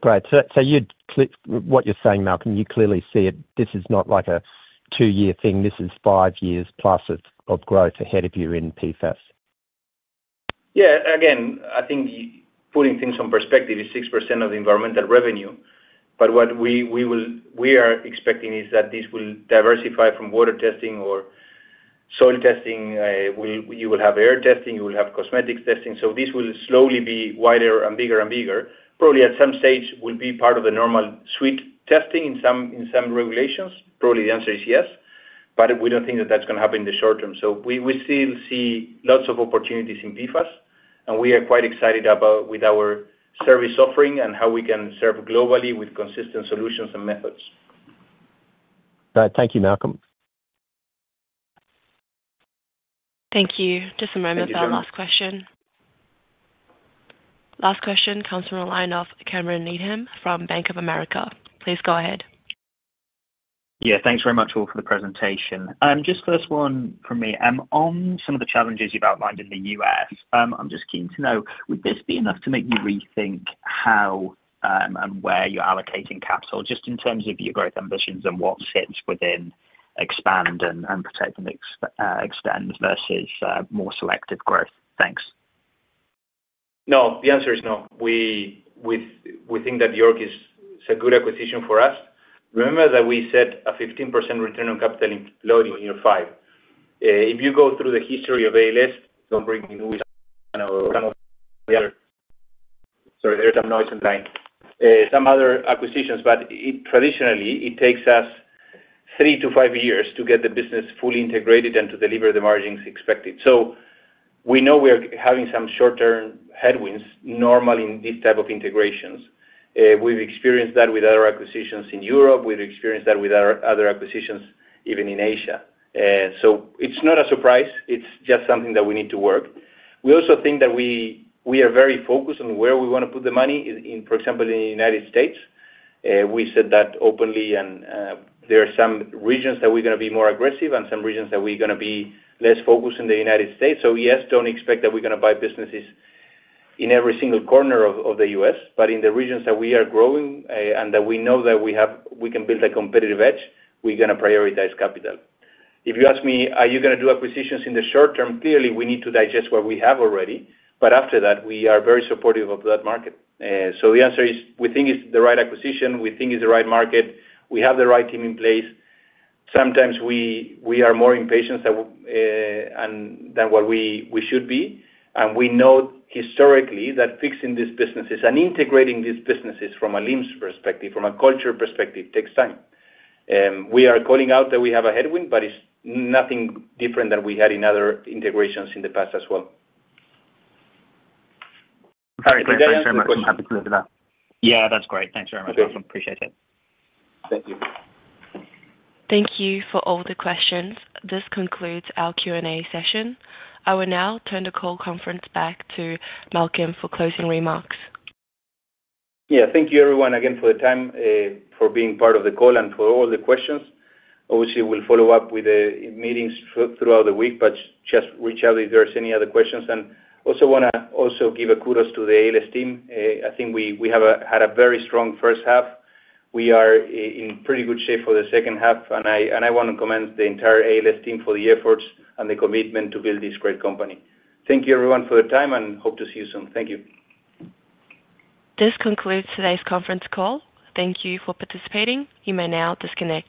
Great. What you're saying, Malcolm, you clearly see it. This is not like a two-year thing. This is five years plus of growth ahead of you in PFAS. Yeah. Again, I think putting things in perspective, it's 6% of environmental revenue. What we are expecting is that this will diversify from water testing or soil testing. You will have air testing. You will have cosmetics testing. This will slowly be wider and bigger and bigger. Probably at some stage, it will be part of the normal suite testing in some regulations. Probably the answer is yes, but we do not think that that is going to happen in the short term. We still see lots of opportunities in PFAS, and we are quite excited about our service offering and how we can serve globally with consistent solutions and methods. Great. Thank you, Malcolm. Thank you. Just a moment for our last question. Last question comes from a line of Cameron Needham from Bank of America. Please go ahead. Yeah. Thanks very much all for the presentation. Just first one from me. On some of the challenges you've outlined in the U.S., I'm just keen to know, would this be enough to make you rethink how and where you're allocating capital, just in terms of your growth ambitions and what fits within expand and protect and extend versus more selective growth? Thanks. No, the answer is no. We think that York is a good acquisition for us. Remember that we said a 15% return on capital employed in year five. If you go through the history of ALS, don't bring me Louis the other. Sorry, there's some noise in the line. Some other acquisitions, but traditionally, it takes us three to five years to get the business fully integrated and to deliver the margins expected. We know we are having some short-term headwinds normally in these types of integrations. We've experienced that with other acquisitions in Europe. We've experienced that with other acquisitions even in Asia. It is not a surprise. It is just something that we need to work. We also think that we are very focused on where we want to put the money, for example, in the United States. We said that openly, and there are some regions that we are going to be more aggressive and some regions that we are going to be less focused in the United States. Yes, do not expect that we are going to buy businesses in every single corner of the U.S., but in the regions that we are growing and that we know that we can build a competitive edge, we are going to prioritize capital. If you ask me, are you going to do acquisitions in the short term, clearly, we need to digest what we have already. After that, we are very supportive of that market. The answer is, we think it's the right acquisition. We think it's the right market. We have the right team in place. Sometimes we are more impatient than what we should be. We know historically that fixing these businesses and integrating these businesses from a lens perspective, from a culture perspective, takes time. We are calling out that we have a headwind, but it's nothing different than we had in other integrations in the past as well. Thank you very much for the question. Yeah, that's great. Thanks very much, Malcolm. Appreciate it. Thank you. Thank you for all the questions. This concludes our Q&A session. I will now turn the call conference back to Malcolm for closing remarks. Yeah. Thank you, everyone, again, for the time, for being part of the call, and for all the questions. Obviously, we'll follow up with the meetings throughout the week, but just reach out if there are any other questions. I also want to give a kudos to the ALS team. I think we had a very strong first half. We are in pretty good shape for the second half, and I want to commend the entire ALS team for the efforts and the commitment to build this great company. Thank you, everyone, for the time, and hope to see you soon. Thank you. This concludes today's conference call. Thank you for participating. You may now disconnect.